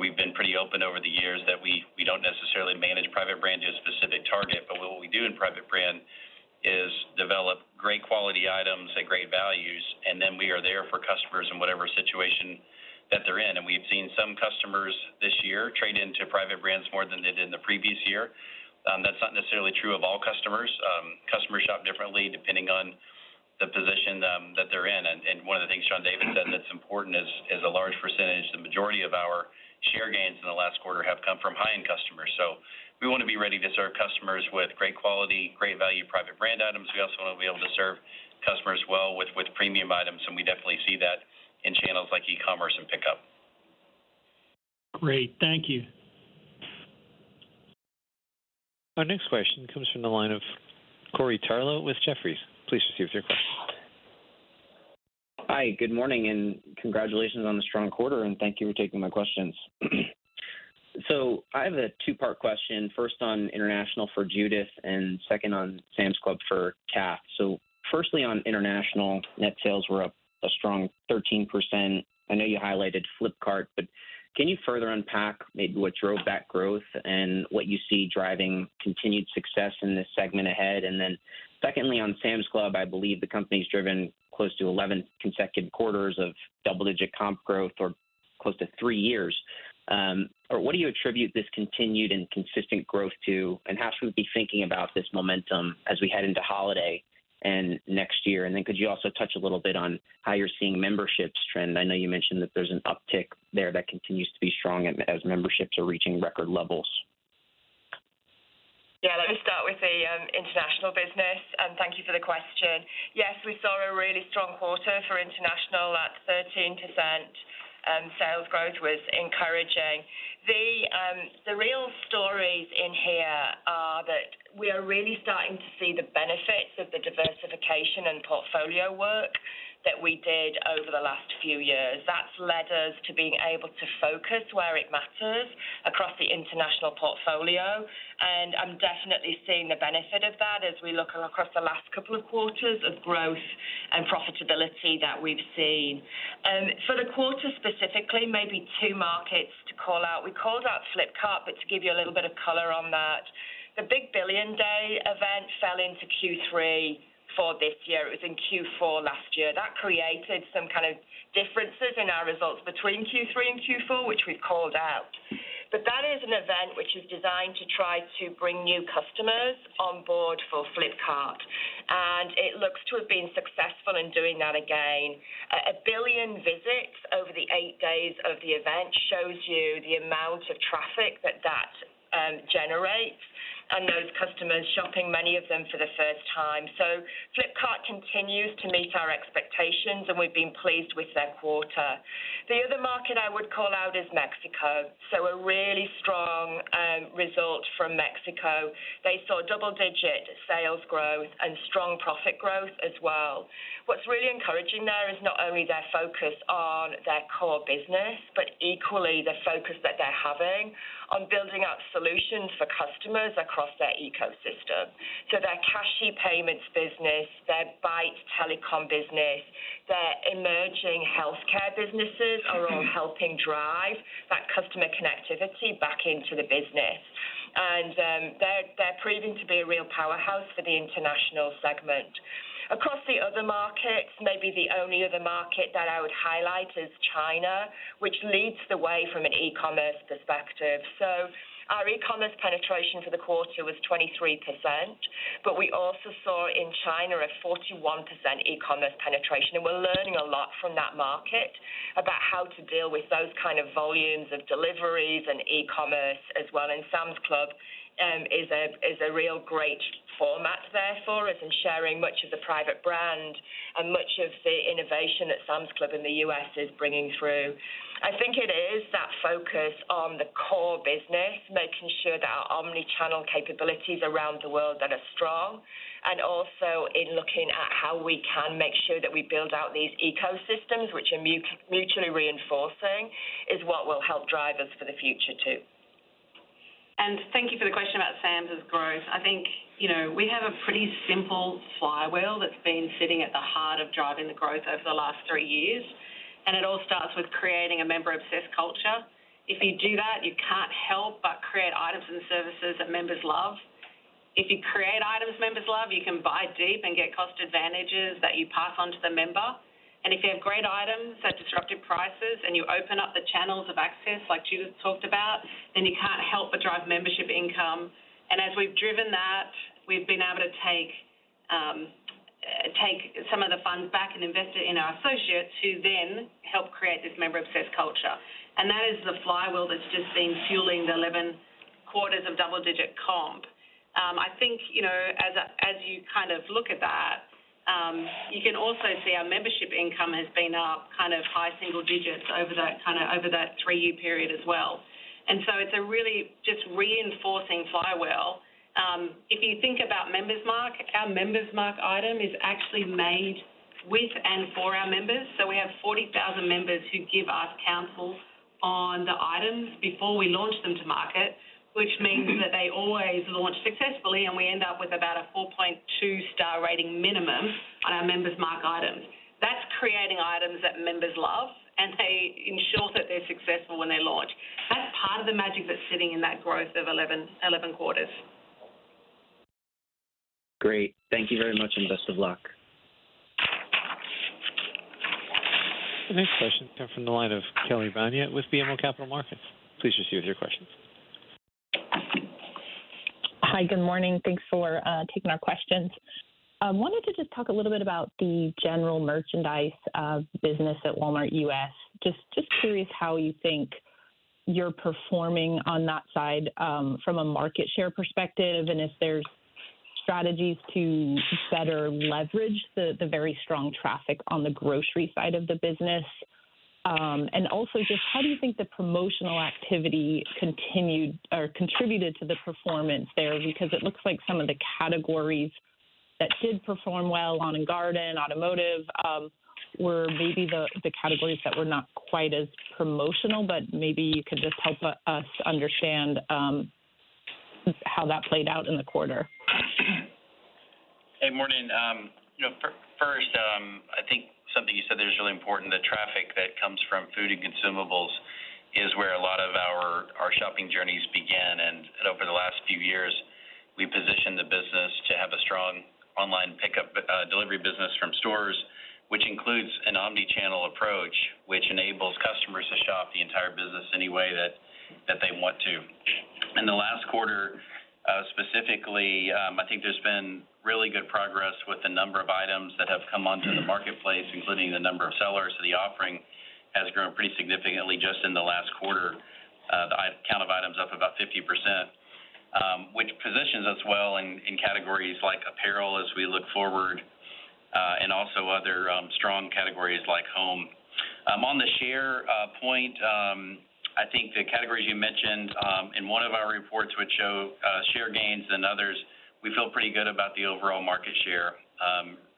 We've been pretty open over the years that we don't necessarily manage private brand to a specific target. What we do in private brand is develop great quality items at great values, and then we are there for customers in whatever situation that they're in. We've seen some customers this year trade into private brands more than they did in the previous year. That's not necessarily true of all customers. Customers shop differently depending on the position that they're in. One of the things John David said that's important is a large percentage, the majority of our share gains in the last quarter have come from high-end customers. We want to be ready to serve customers with great quality, great value private brand items. We also want to be able to serve customers well with premium items, and we definitely see that in channels like e-commerce and pickup. Great. Thank you. Our next question comes from the line of Corey Tarlowe with Jefferies. Please proceed with your question. Hi. Good morning, and congratulations on the strong quarter, and thank you for taking my questions. I have a two-part question, first on International for Judith and second on Sam's Club for Kath. Firstly, on International, net sales were up a strong 13%. I know you highlighted Flipkart, but can you further unpack maybe what drove that growth and what you see driving continued success in this segment ahead? Then secondly, on Sam's Club, I believe the company's driven close to 11 consecutive quarters of double-digit comp growth for close to three years. What do you attribute this continued and consistent growth to, and how should we be thinking about this momentum as we head into holiday and next year? Could you also touch a little bit on how you're seeing memberships trend? I know you mentioned that there's an uptick there that continues to be strong as memberships are reaching record levels. Yeah, let me start with the International business, and thank you for the question. Yes, we saw a really strong quarter for International. That 13% sales growth was encouraging. The real stories in here are that we are really starting to see the benefits of the diversification and portfolio work that we did over the last few years. That's led us to being able to focus where it matters across the International portfolio, and I'm definitely seeing the benefit of that as we look across the last couple of quarters of growth and profitability that we've seen. For the quarter specifically, maybe two markets to call out. We called out Flipkart, but to give you a little bit of color on that, the Big Billion Days event fell into Q3 for this year. It was in Q4 last year. That created some kind of differences in our results between Q3 and Q4, which we've called out. That is an event which is designed to try to bring new customers on board for Flipkart, and it looks to have been successful in doing that again. One billion visits over the eight days of the event shows you the amount of traffic that generates. Those customers shopping, many of them for the first time. Flipkart continues to meet our expectations, and we've been pleased with their quarter. The other market I would call out is Mexico. A really strong result from Mexico. They saw double-digit sales growth and strong profit growth as well. What's really encouraging there is not only their focus on their core business, but equally the focus that they're having on building out solutions for customers across their ecosystem. Their cash payments business, their BAIT telecom business, their emerging healthcare businesses are all helping drive that customer connectivity back into the business. They're proving to be a real powerhouse for the international segment. Across the other markets, maybe the only other market that I would highlight is China, which leads the way from an e-commerce perspective. Our e-commerce penetration for the quarter was 23%, but we also saw in China a 41% e-commerce penetration. We're learning a lot from that market about how to deal with those kind of volumes of deliveries and e-commerce as well. Sam's Club is a real great format there for us and sharing much of the private brand and much of the innovation that Sam's Club in the U.S. is bringing through. I think it is that focus on the core business, making sure that our omnichannel capabilities around the world that are strong and also in looking at how we can make sure that we build out these ecosystems which are mutually reinforcing, is what will help drive us for the future too. Thank you for the question about Sam's growth. I think, you know, we have a pretty simple flywheel that's been sitting at the heart of driving the growth over the last three years, and it all starts with creating a member obsessed culture. If you do that, you can't help but create items and services that members love. If you create items members love, you can buy deep and get cost advantages that you pass on to the member. If you have great items at disruptive prices and you open up the channels of access like Judith talked about, then you can't help but drive membership income. As we've driven that, we've been able to take some of the funds back and invest it in our associates who then help create this member obsessed culture. That is the flywheel that's just been fueling the 11 quarters of double-digit comp. I think, you know, as you kind of look at that, you can also see our membership income has been up kind of high single digits over that three-year period as well. It's a really just reinforcing flywheel. If you think about Member's Mark, our Member's Mark item is actually made with and for our members. So we have 40,000 members who give us counsel on the items before we launch them to market, which means that they always launch successfully and we end up with about a 4.2 star rating minimum on our Member's Mark items. That's creating items that members love, and they ensure that they're successful when they launch. That's part of the magic that's sitting in that growth of 11 quarters. Great. Thank you very much and best of luck. The next question comes from the line of Kelly Bania with BMO Capital Markets. Please proceed with your question. Hi, good morning. Thanks for taking our questions. Wanted to just talk a little bit about the general merchandise business at Walmart U.S. Just curious how you think you're performing on that side from a market share perspective, and if there's strategies to better leverage the very strong traffic on the grocery side of the business. Also just how do you think the promotional activity continued or contributed to the performance there? Because it looks like some of the categories that did perform well, lawn and garden, automotive, were maybe the categories that were not quite as promotional, but maybe you could just help us understand how that played out in the quarter. Hey, morning. You know, first, I think something you said there is really important. The traffic that comes from food and consumables is where a lot of our shopping journeys began. Over the last few years, we positioned the business to have a strong online pickup, delivery business from stores, which includes an omnichannel approach, which enables customers to shop the entire business any way that they want to. In the last quarter, specifically, I think there's been really good progress with the number of items that have come onto the marketplace, including the number of sellers. The offering has grown pretty significantly just in the last quarter. The count of items up about 50%, which positions us well in categories like apparel as we look forward, and also other strong categories like home. On the share point, I think the categories you mentioned in one of our reports which show share gains and others, we feel pretty good about the overall market share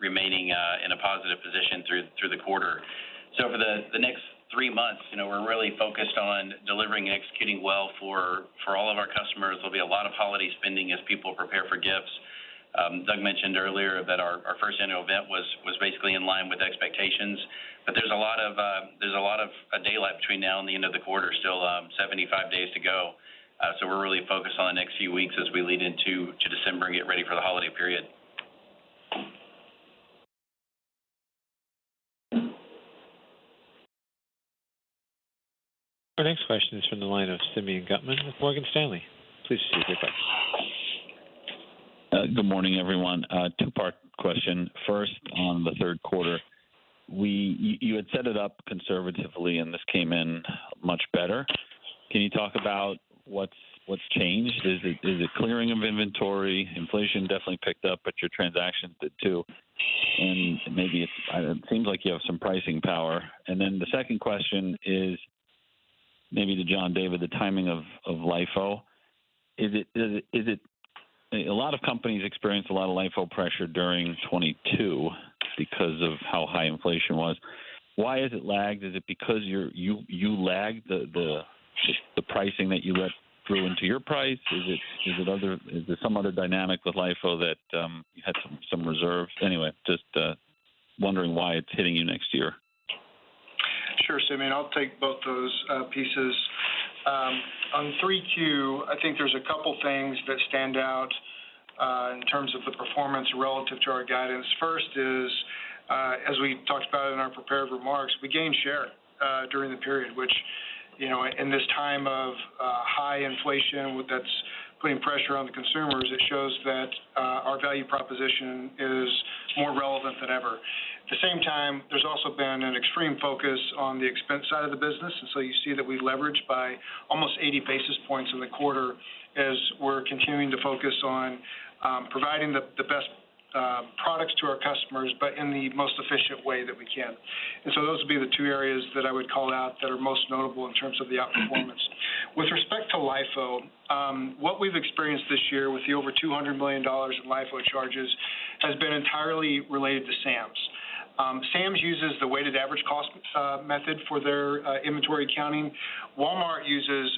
remaining in a positive position through the quarter. For the next three months, you know, we're really focused on delivering and executing well for all of our customers. There'll be a lot of holiday spending as people prepare for gifts. Doug mentioned earlier that our first annual event was basically in line with expectations. There's a lot of daylight between now and the end of the quarter, still, 75 days to go. We're really focused on the next few weeks as we lead into December and get ready for the holiday period. Our next question is from the line of Simeon Gutman with Morgan Stanley. Please proceed with your question. Good morning, everyone. Two-part question. First, on the Q3, you had set it up conservatively, and this came in much better. Can you talk about what's changed? Is it clearing of inventory? Inflation definitely picked up, but your transactions did too. Maybe it's. I don't know, it seems like you have some pricing power. Then the second question is, maybe to John David, the timing of LIFO. Is it? A lot of companies experienced a lot of LIFO pressure during 2022 because of how high inflation was. Why has it lagged? Is it because you're you lagged the pricing that you let through into your price? Is it other? Is there some other dynamic with LIFO that you had some reserves? Anyway, just wondering why it's hitting you next year? Sure, Simeon. I'll take both those pieces. On 3Q, I think there's a couple things that stand out in terms of the performance relative to our guidance. First is, as we talked about in our prepared remarks, we gained share during the period, which, you know, in this time of high inflation that's putting pressure on the consumers, it shows that our value proposition is more relevant than ever. At the same time, there's also been an extreme focus on the expense side of the business, and so you see that we leveraged by almost 80 basis points in the quarter as we're continuing to focus on providing the best products to our customers, but in the most efficient way that we can. Those would be the two areas that I would call out that are most notable in terms of the outperformance. With respect to LIFO, what we've experienced this year with the over $200 million in LIFO charges has been entirely related to Sam's. Sam's uses the weighted-average cost method for their inventory accounting. Walmart uses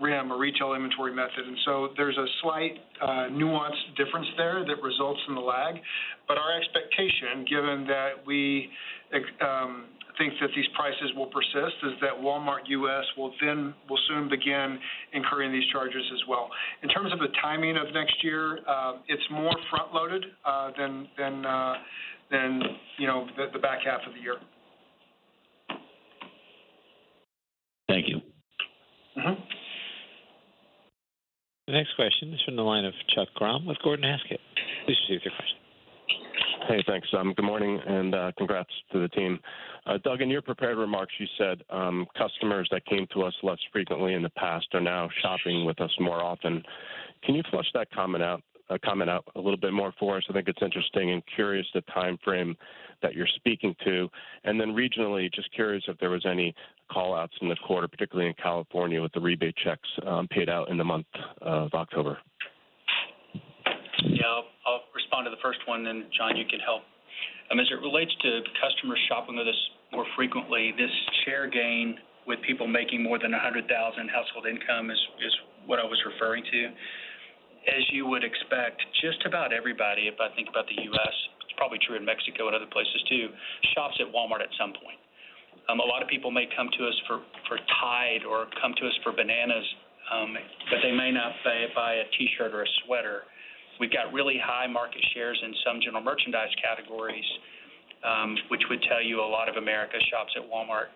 RIM, a retail inventory method, and so there's a slight nuanced difference there that results in the lag. Our expectation, given that we think that these prices will persist, is that Walmart U.S. will soon begin incurring these charges as well. In terms of the timing of next year, it's more front-loaded than you know the back half of the year. Thank you. The next question is from the line of Chuck Grom with Gordon Haskett. Please proceed with your question. Hey, thanks. Good morning, and congrats to the team. Doug, in your prepared remarks, you said, "Customers that came to us less frequently in the past are now shopping with us more often." Can you flesh that comment out a little bit more for us? I think it's interesting and curious the timeframe that you're speaking to. Regionally, just curious if there was any call-outs in the quarter, particularly in California with the rebate checks paid out in the month of October. Yeah. I'll respond to the first one, then John, you can help. As it relates to customers shopping with us more frequently, this share gain with people making more than 100,000 household income is what I was referring to. As you would expect, just about everybody, if I think about the U.S., it's probably true in Mexico and other places too, shops at Walmart at some point. A lot of people may come to us for Tide or come to us for bananas, but they may not buy a T-shirt or a sweater. We've got really high market shares in some general merchandise categories, which would tell you a lot of America shops at Walmart.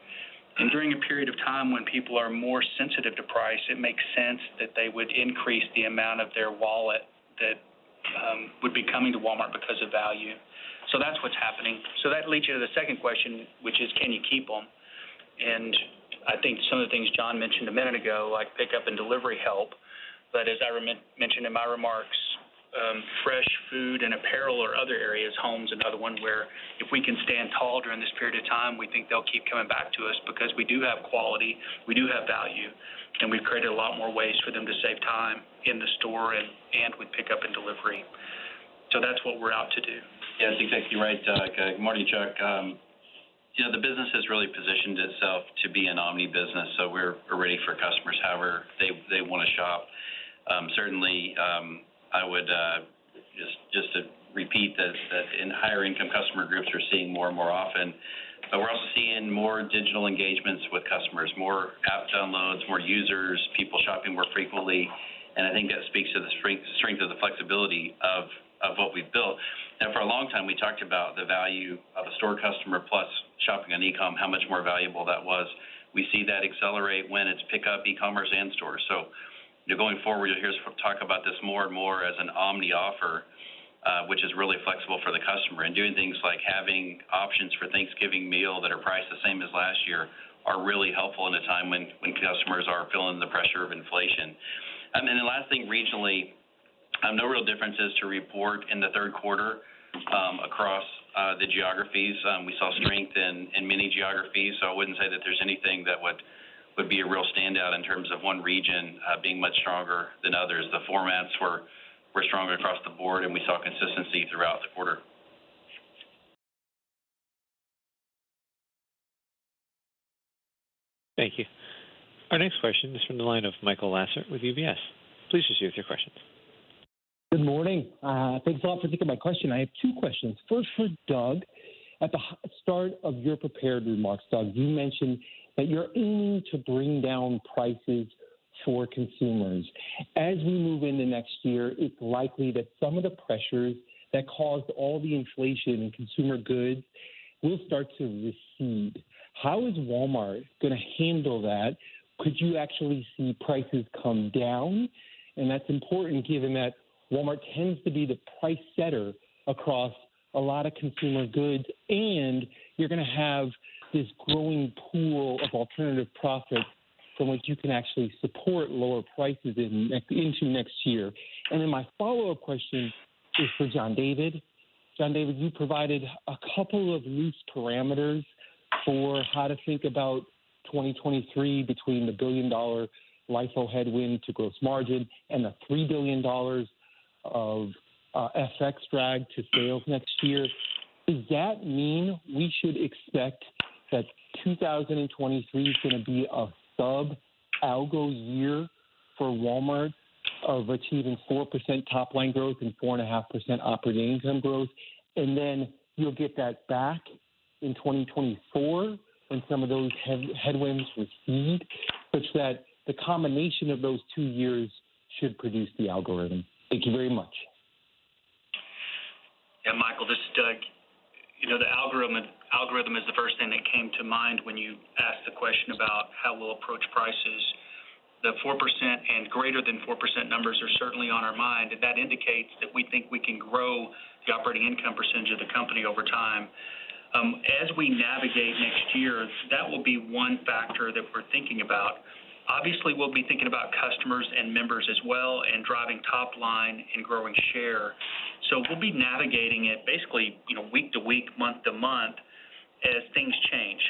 During a period of time when people are more sensitive to price, it makes sense that they would increase the amount of their wallet that would be coming to Walmart because of value. That's what's happening. That leads you to the second question, which is can you keep them? I think some of the things John mentioned a minute ago, like pickup and delivery help, but as I mentioned in my remarks, fresh food and apparel or other areas, homes, another one where if we can stand tall during this period of time, we think they'll keep coming back to us because we do have quality, we do have value, and we've created a lot more ways for them to save time in the store and with pickup and delivery. That's what we're out to do. Yeah. That's exactly right, Doug. Good morning, Chuck. You know, the business has really positioned itself to be an omni-business, so we're ready for customers however they wanna shop. Certainly, I would just to repeat that in higher income customer groups are seeing more and more often. We're also seeing more digital engagements with customers, more app downloads, more users, people shopping more frequently, and I think that speaks to the strength of the flexibility of what we've built. For a long time we talked about the value of a store customer plus shopping on e-com, how much more valuable that was. We see that accelerate when it's pickup, e-commerce, and stores. You know, going forward, you'll hear us talk about this more and more as an omni-offer, which is really flexible for the customer. Doing things like having options for Thanksgiving meal that are priced the same as last year are really helpful in a time when customers are feeling the pressure of inflation. The last thing regionally, no real differences to report in the Q3, across the geographies. We saw strength in many geographies, so I wouldn't say that there's anything that would be a real standout in terms of one region being much stronger than others. The formats were stronger across the board, and we saw consistency throughout the quarter. Thank you. Our next question is from the line of Michael Lasser with UBS. Please proceed with your questions. Good morning. Thanks a lot for taking my question. I have two questions, first for Doug. At the start of your prepared remarks, Doug, you mentioned that you're aiming to bring down prices for consumers. As we move into next year, it's likely that some of the pressures that caused all the inflation in consumer goods will start to recede. How is Walmart gonna handle that? Could you actually see prices come down? That's important given that Walmart tends to be the price setter across a lot of consumer goods, and you're gonna have this growing pool of alternative profits from which you can actually support lower prices into next year. My follow-up question is for John David. John David, you provided a couple of loose parameters for how to think about 2023 between the $1 billion LIFO headwind to gross margin and the $3 billion of FX drag to sales next year. Does that mean we should expect that 2023 is gonna be a sub algo year for Walmart of achieving 4% top line growth and 4.5% operating income growth, and then you'll get that back in 2024 when some of those headwinds recede, such that the combination of those two years should produce the algorithm? Thank you very much. Yeah, Michael, this is Doug. You know, the algorithm is the first thing that came to mind when you asked the question about how we'll approach prices. The 4% and greater than 4% numbers are certainly on our mind. That indicates that we think we can grow the operating income percentage of the company over time. As we navigate next year, that will be one factor that we're thinking about. Obviously, we'll be thinking about customers and members as well, and driving top line and growing share. We'll be navigating it basically, you know, week to week, month to month as things change.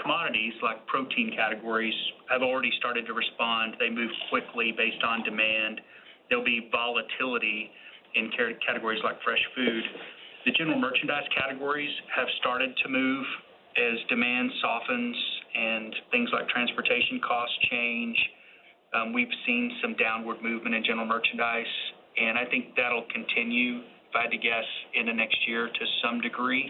Commodities, like protein categories, have already started to respond. They move quickly based on demand. There'll be volatility in categories like fresh food. The general merchandise categories have started to move as demand softens and things like transportation costs change. We've seen some downward movement in general merchandise, and I think that'll continue, if I had to guess, into next year to some degree.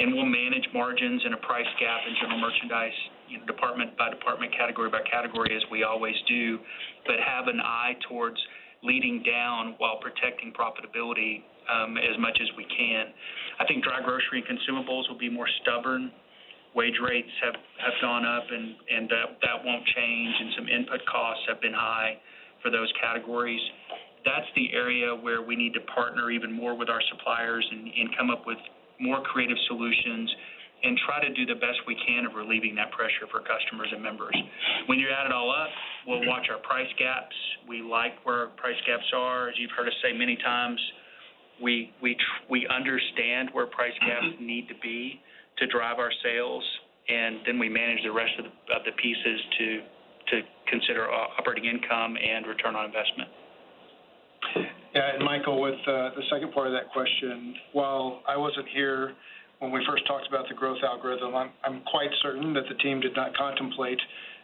We'll manage margins and a price gap in general merchandise, you know, department by department, category by category, as we always do, but have an eye towards leading down while protecting profitability, as much as we can. I think dry grocery consumables will be more stubborn. Wage rates have gone up and that won't change, and some input costs have been high for those categories. That's the area where we need to partner even more with our suppliers and come up with more creative solutions and try to do the best we can of relieving that pressure for customers and members. When you add it all up, we'll watch our price gaps. We like where our price gaps are. As you've heard us say many times, we understand where price gaps need to be to drive our sales, and then we manage the rest of the pieces to consider operating income and return on investment. Yeah. Michael, with the second part of that question, while I wasn't here when we first talked about the growth algorithm, I'm quite certain that the team did not contemplate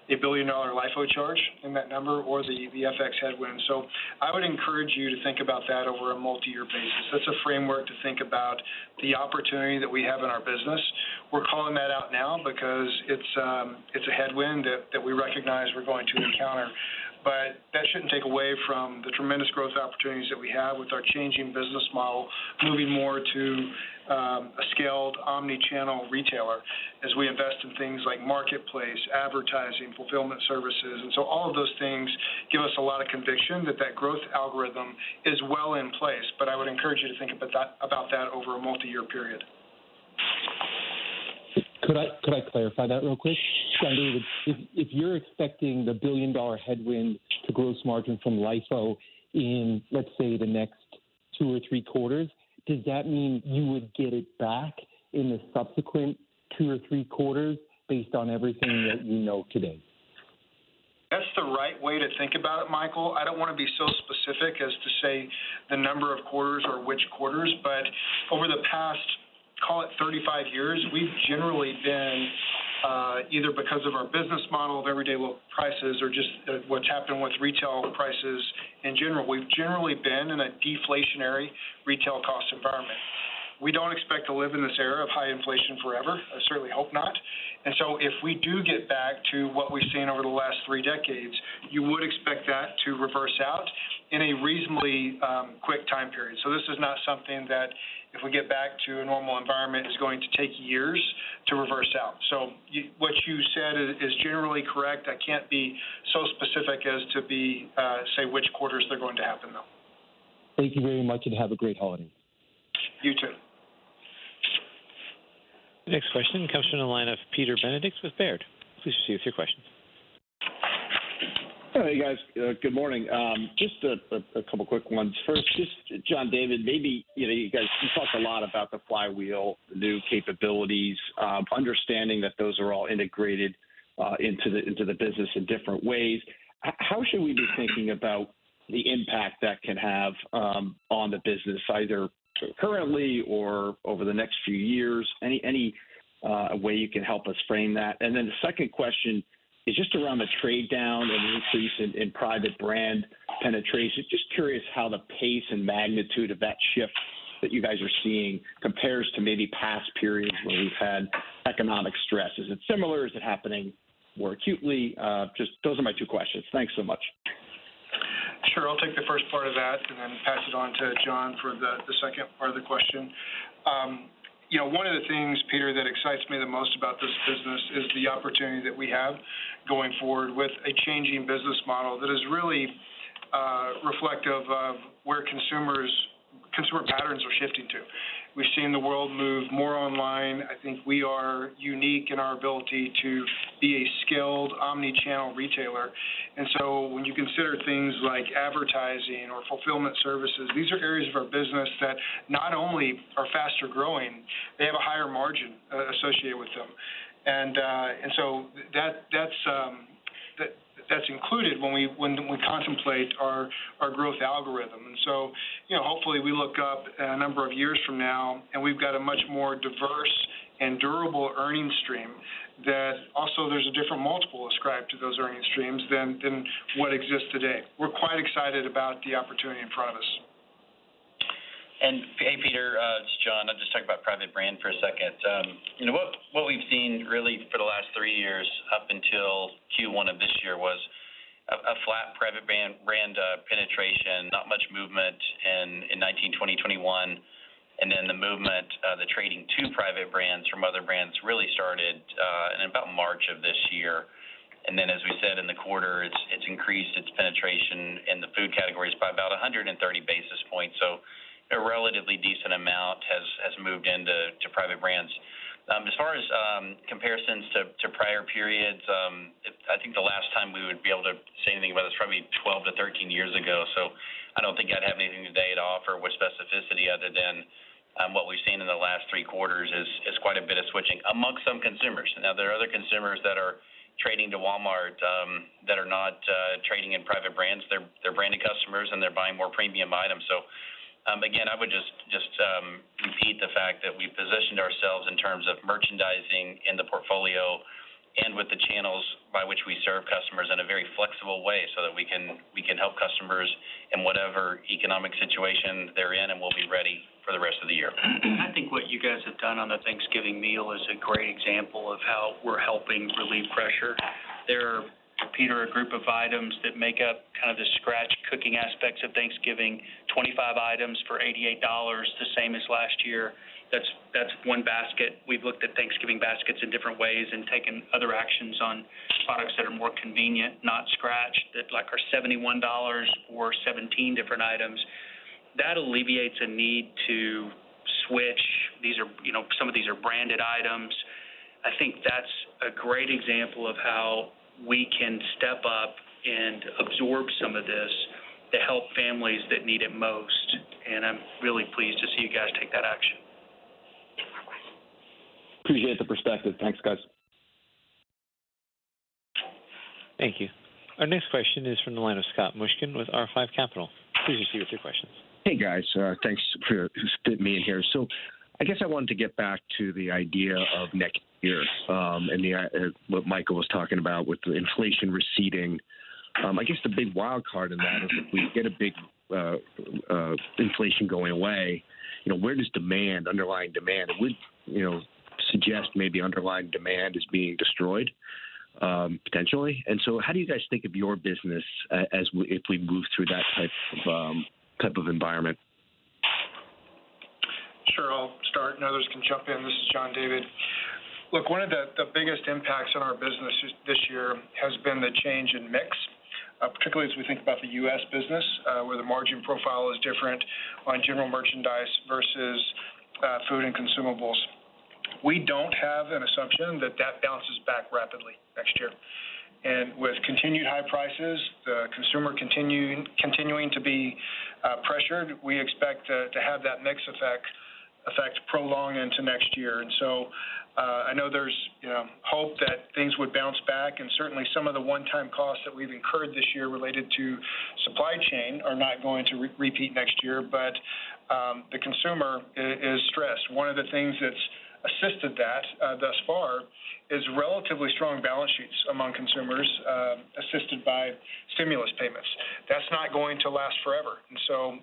a billion-dollar LIFO charge in that number or the FX headwind. I would encourage you to think about that over a multi-year basis. That's a framework to think about the opportunity that we have in our business. We're calling that out now because it's a headwind that we recognize we're going to encounter. That shouldn't take away from the tremendous growth opportunities that we have with our changing business model, moving more to a scaled omni-channel retailer as we invest in things like marketplace, advertising, fulfillment services. All of those things give us a lot of conviction that the growth algorithm is well in place, but I would encourage you to think about that over a multi-year period. Could I clarify that real quick? John David, if you're expecting the billion-dollar headwind to gross margin from LIFO in, let's say, the next two or three quarters, does that mean you would get it back in the subsequent two or three quarters based on everything that you know today? That's the right way to think about it, Michael. I don't wanna be so specific as to say the number of quarters or which quarters. Over the past, call it 35 years, we've generally been either because of our business model of everyday low prices or just what's happened with retail prices in general, we've generally been in a deflationary retail cost environment. We don't expect to live in this era of high inflation forever. I certainly hope not. If we do get back to what we've seen over the last three decades, you would expect that to reverse out in a reasonably quick time period. This is not something that if we get back to a normal environment, is going to take years to reverse out. What you said is generally correct. I can't be so specific as to say which quarters they're going to happen, though. Thank you very much, and have a great holiday. You too. The next question comes from the line of Peter Benedict with Baird. Please proceed with your question. Hey, guys. Good morning. Just a couple quick ones. First, just John David, maybe, you know, you guys, you talked a lot about the flywheel, the new capabilities, understanding that those are all integrated into the business in different ways. How should we be thinking about the impact that can have on the business, either currently or over the next few years? Any way you can help us frame that? And then the second question is just around the trade down and the increase in private brand penetration. Just curious how the pace and magnitude of that shift that you guys are seeing compares to maybe past periods where we've had economic stress. Is it similar? Is it happening more acutely? Just those are my two questions. Thanks so much. Sure. I'll take the first part of that and then pass it on to John for the second part of the question. You know, one of the things, Peter, that excites me the most about this business is the opportunity that we have going forward with a changing business model that is really reflective of where consumer patterns are shifting to. We've seen the world move more online. I think we are unique in our ability to be a skilled omni-channel retailer. When you consider things like advertising or fulfillment services, these are areas of our business that not only are faster-growing, they have a higher margin associated with them. That's included when we contemplate our growth algorithm. You know, hopefully, we look up a number of years from now, and we've got a much more diverse and durable earning stream that also there's a different multiple ascribed to those earning streams than what exists today. We're quite excited about the opportunity in front of us. Hey, Peter, it's John. I'll just talk about private brand for a second. You know what we've seen really for the last three years up until Q1 of this year was a flat private brand penetration, not much movement in 2019, 2020, 2021. Then the movement, the trading to private brands from other brands really started in about March of this year. Then, as we said in the quarter, it's increased its penetration in the food categories by about 130 basis points. A relatively decent amount has moved into private brands. As far as comparisons to prior periods, I think the last time we would be able to say anything about this is probably twelve to thirteen years ago. I don't think I'd have anything today to offer with specificity other than what we've seen in the last three quarters is quite a bit of switching among some consumers. Now, there are other consumers that are trading to Walmart that are not trading in private brands. They're branded customers, and they're buying more premium items. Again, I would just repeat the fact that we positioned ourselves in terms of merchandising in the portfolio and with the channels by which we serve customers in a very flexible way so that we can help customers in whatever economic situation they're in, and we'll be ready for the rest of the year. I think what you guys have done on the Thanksgiving meal is a great example of how we're helping relieve pressure. There are, Peter, a group of items that make up kind of the scratch cooking aspects of Thanksgiving, 25 items for $88, the same as last year. That's one basket. We've looked at Thanksgiving baskets in different ways and taken other actions on products that are more convenient, not scratch, that like are $71 or 17 different items. That alleviates a need to switch. These are, you know, some of these are branded items. I think that's a great example of how we can step up and absorb some of this to help families that need it most, and I'm really pleased to see you guys take that action. Appreciate the perspective. Thanks, guys. Thank you. Our next question is from the line of Scott Mushkin with R5 Capital. Please proceed with your questions. Hey, guys. Thanks for fitting me in here. I guess I wanted to get back to the idea of next year, and what Michael was talking about with the inflation receding. I guess the big wildcard in that is if we get a big inflation going away, you know, where does demand, underlying demand, suggest maybe underlying demand is being destroyed, potentially. How do you guys think of your business as we move through that type of environment? Sure. I'll start and others can jump in. This is John David. Look, one of the biggest impacts on our business this year has been the change in mix, particularly as we think about the U.S. business, where the margin profile is different on general merchandise versus food and consumables. We don't have an assumption that that bounces back rapidly next year. With continued high prices, the consumer continuing to be pressured, we expect to have that mix effect prolong into next year. I know there's, you know, hope that things would bounce back, and certainly some of the one-time costs that we've incurred this year related to supply chain are not going to repeat next year. The consumer is stressed. One of the things that's assisted that thus far is relatively strong balance sheets among consumers, assisted by stimulus payments. That's not going to last forever.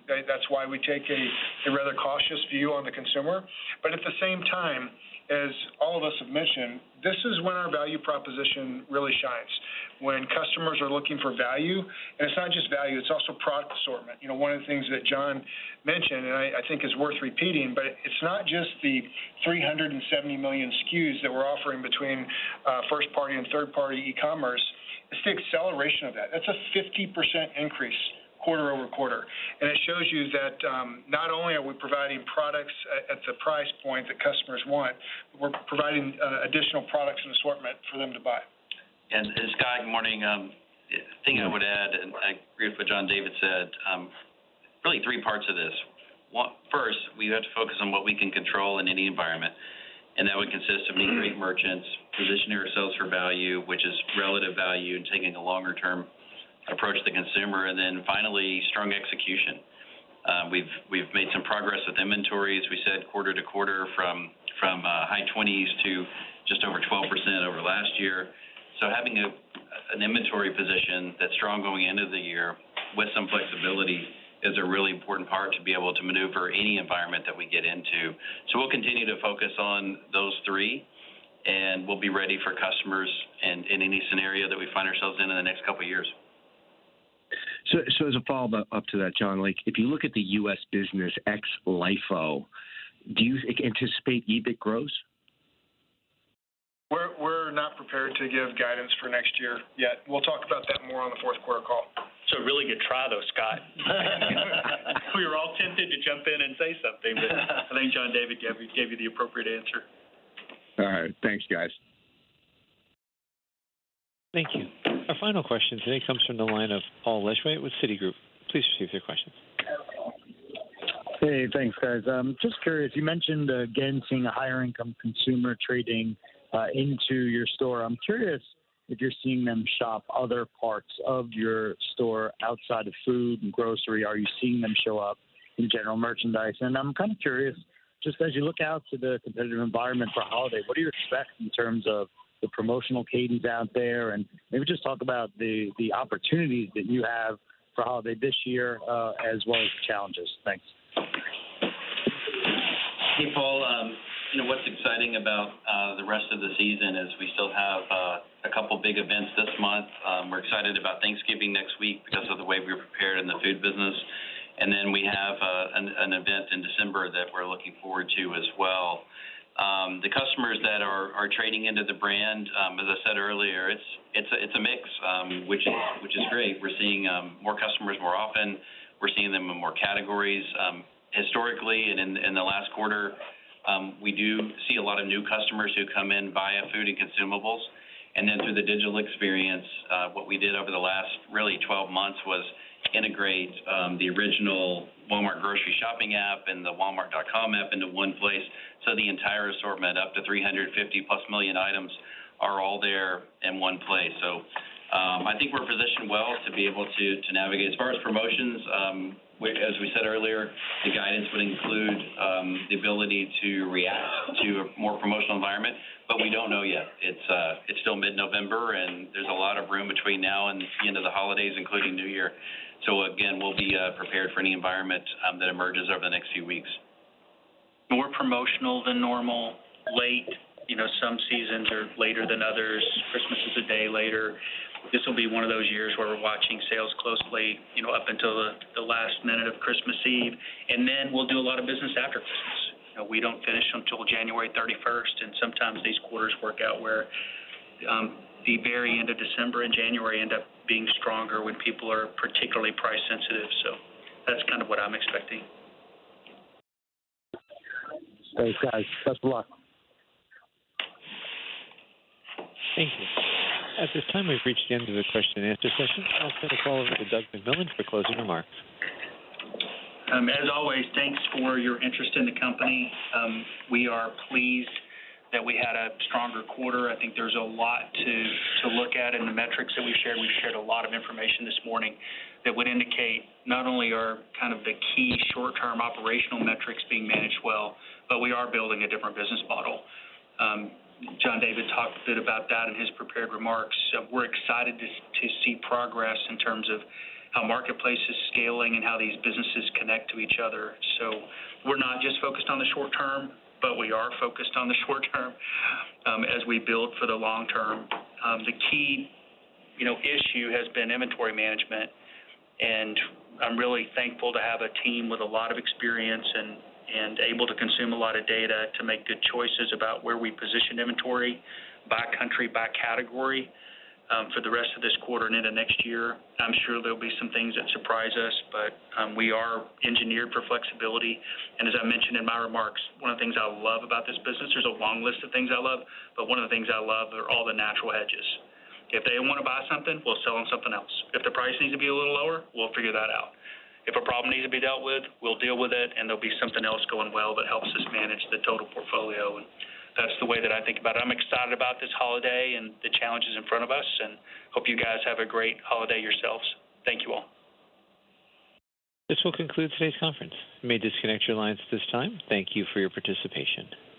That's why we take a rather cautious view on the consumer. At the same time, as all of us have mentioned, this is when our value proposition really shines. When customers are looking for value, and it's not just value, it's also product assortment. You know, one of the things that John mentioned, and I think is worth repeating, but it's not just the 370 million SKUs that we're offering between first party and third party e-commerce. It's the acceleration of that. That's a 50% increase quarter-over-quarter. It shows you that, not only are we providing products at the price point that customers want, we're providing additional products and assortment for them to buy. Scott, good morning. The thing I would add, and I agree with what John David said, really three parts of this. First, we have to focus on what we can control in any environment, and that would consist of meeting great merchants, positioning ourselves for value, which is relative value, and taking a longer term approach to the consumer, and then finally, strong execution. We've made some progress with inventories. We said quarter to quarter from high twenties to just over 20 last year. So having an inventory position that's strong going into the year with some flexibility is a really important part to be able to maneuver any environment that we get into. We'll continue to focus on those three, and we'll be ready for customers and in any scenario that we find ourselves in the next couple of years. As a follow-up to that, John, like if you look at the U.S. business ex LIFO, do you anticipate EBIT growth? We're not prepared to give guidance for next year yet. We'll talk about that more on the Q4 call. It's a really good try, though, Scott. We were all tempted to jump in and say something, but I think John David gave you the appropriate answer. All right. Thanks, guys. Thank you. Our final question today comes from the line of Paul Lejuez with Citigroup. Please proceed with your question. Hey, thanks, guys. I'm just curious, you mentioned again, seeing a higher income consumer trading into your store. I'm curious if you're seeing them shop other parts of your store outside of food and grocery. Are you seeing them show up in general merchandise? I'm kind of curious, just as you look out to the competitive environment for holiday, what do you expect in terms of the promotional cadence out there? Maybe just talk about the opportunities that you have for holiday this year, as well as the challenges. Thanks. Hey, Paul. You know what's exciting about the rest of the season is we still have a couple big events this month. We're excited about Thanksgiving next week because of the way we're prepared in the food business. We have an event in December that we're looking forward to as well. The customers that are trading into the brand, as I said earlier, it's a mix, which is great. We're seeing more customers more often. We're seeing them in more categories. Historically and in the last quarter, we do see a lot of new customers who come in via food and consumables. Through the digital experience, what we did over the last really 12 months was integrate the original Walmart grocery shopping app and the Walmart.com app into one place. The entire assortment, up to 350+ million items are all there in one place. I think we're positioned well to be able to navigate. As far as promotions, which as we said earlier, the guidance would include the ability to react to a more promotional environment, but we don't know yet. It's still mid-November, and there's a lot of room between now and the end of the holidays, including New Year. Again, we'll be prepared for any environment that emerges over the next few weeks. More promotional than normal. Late. You know, some seasons are later than others. Christmas is a day later. This will be one of those years where we're watching sales closely, you know, up until the last minute of Christmas Eve, and then we'll do a lot of business after Christmas. You know, we don't finish until January thirty-first, and sometimes these quarters work out where the very end of December and January end up being stronger when people are particularly price sensitive. That's kind of what I'm expecting. Thanks, guys. Best of luck. Thank you. At this time, we've reached the end of the question and answer session. I'll turn the call over to Doug McMillon for closing remarks. As always, thanks for your interest in the company. We are pleased that we had a stronger quarter. I think there's a lot to look at in the metrics that we shared. We've shared a lot of information this morning that would indicate not only are kind of the key short term operational metrics being managed well, but we are building a different business model. John David talked a bit about that in his prepared remarks. We're excited to see progress in terms of how marketplace is scaling and how these businesses connect to each other. We're not just focused on the short term, but we are focused on the short term, as we build for the long term. The key, you know, issue has been inventory management, and I'm really thankful to have a team with a lot of experience and able to consume a lot of data to make good choices about where we position inventory by country, by category, for the rest of this quarter and into next year. I'm sure there'll be some things that surprise us, but we are engineered for flexibility. As I mentioned in my remarks, one of the things I love about this business, there's a long list of things I love, but one of the things I love are all the natural hedges. If they don't want to buy something, we'll sell them something else. If the price needs to be a little lower, we'll figure that out. If a problem needs to be dealt with, we'll deal with it, and there'll be something else going well that helps us manage the total portfolio. That's the way that I think about it. I'm excited about this holiday and the challenges in front of us, and hope you guys have a great holiday yourselves. Thank you all. This will conclude today's conference. You may disconnect your lines at this time. Thank you for your participation.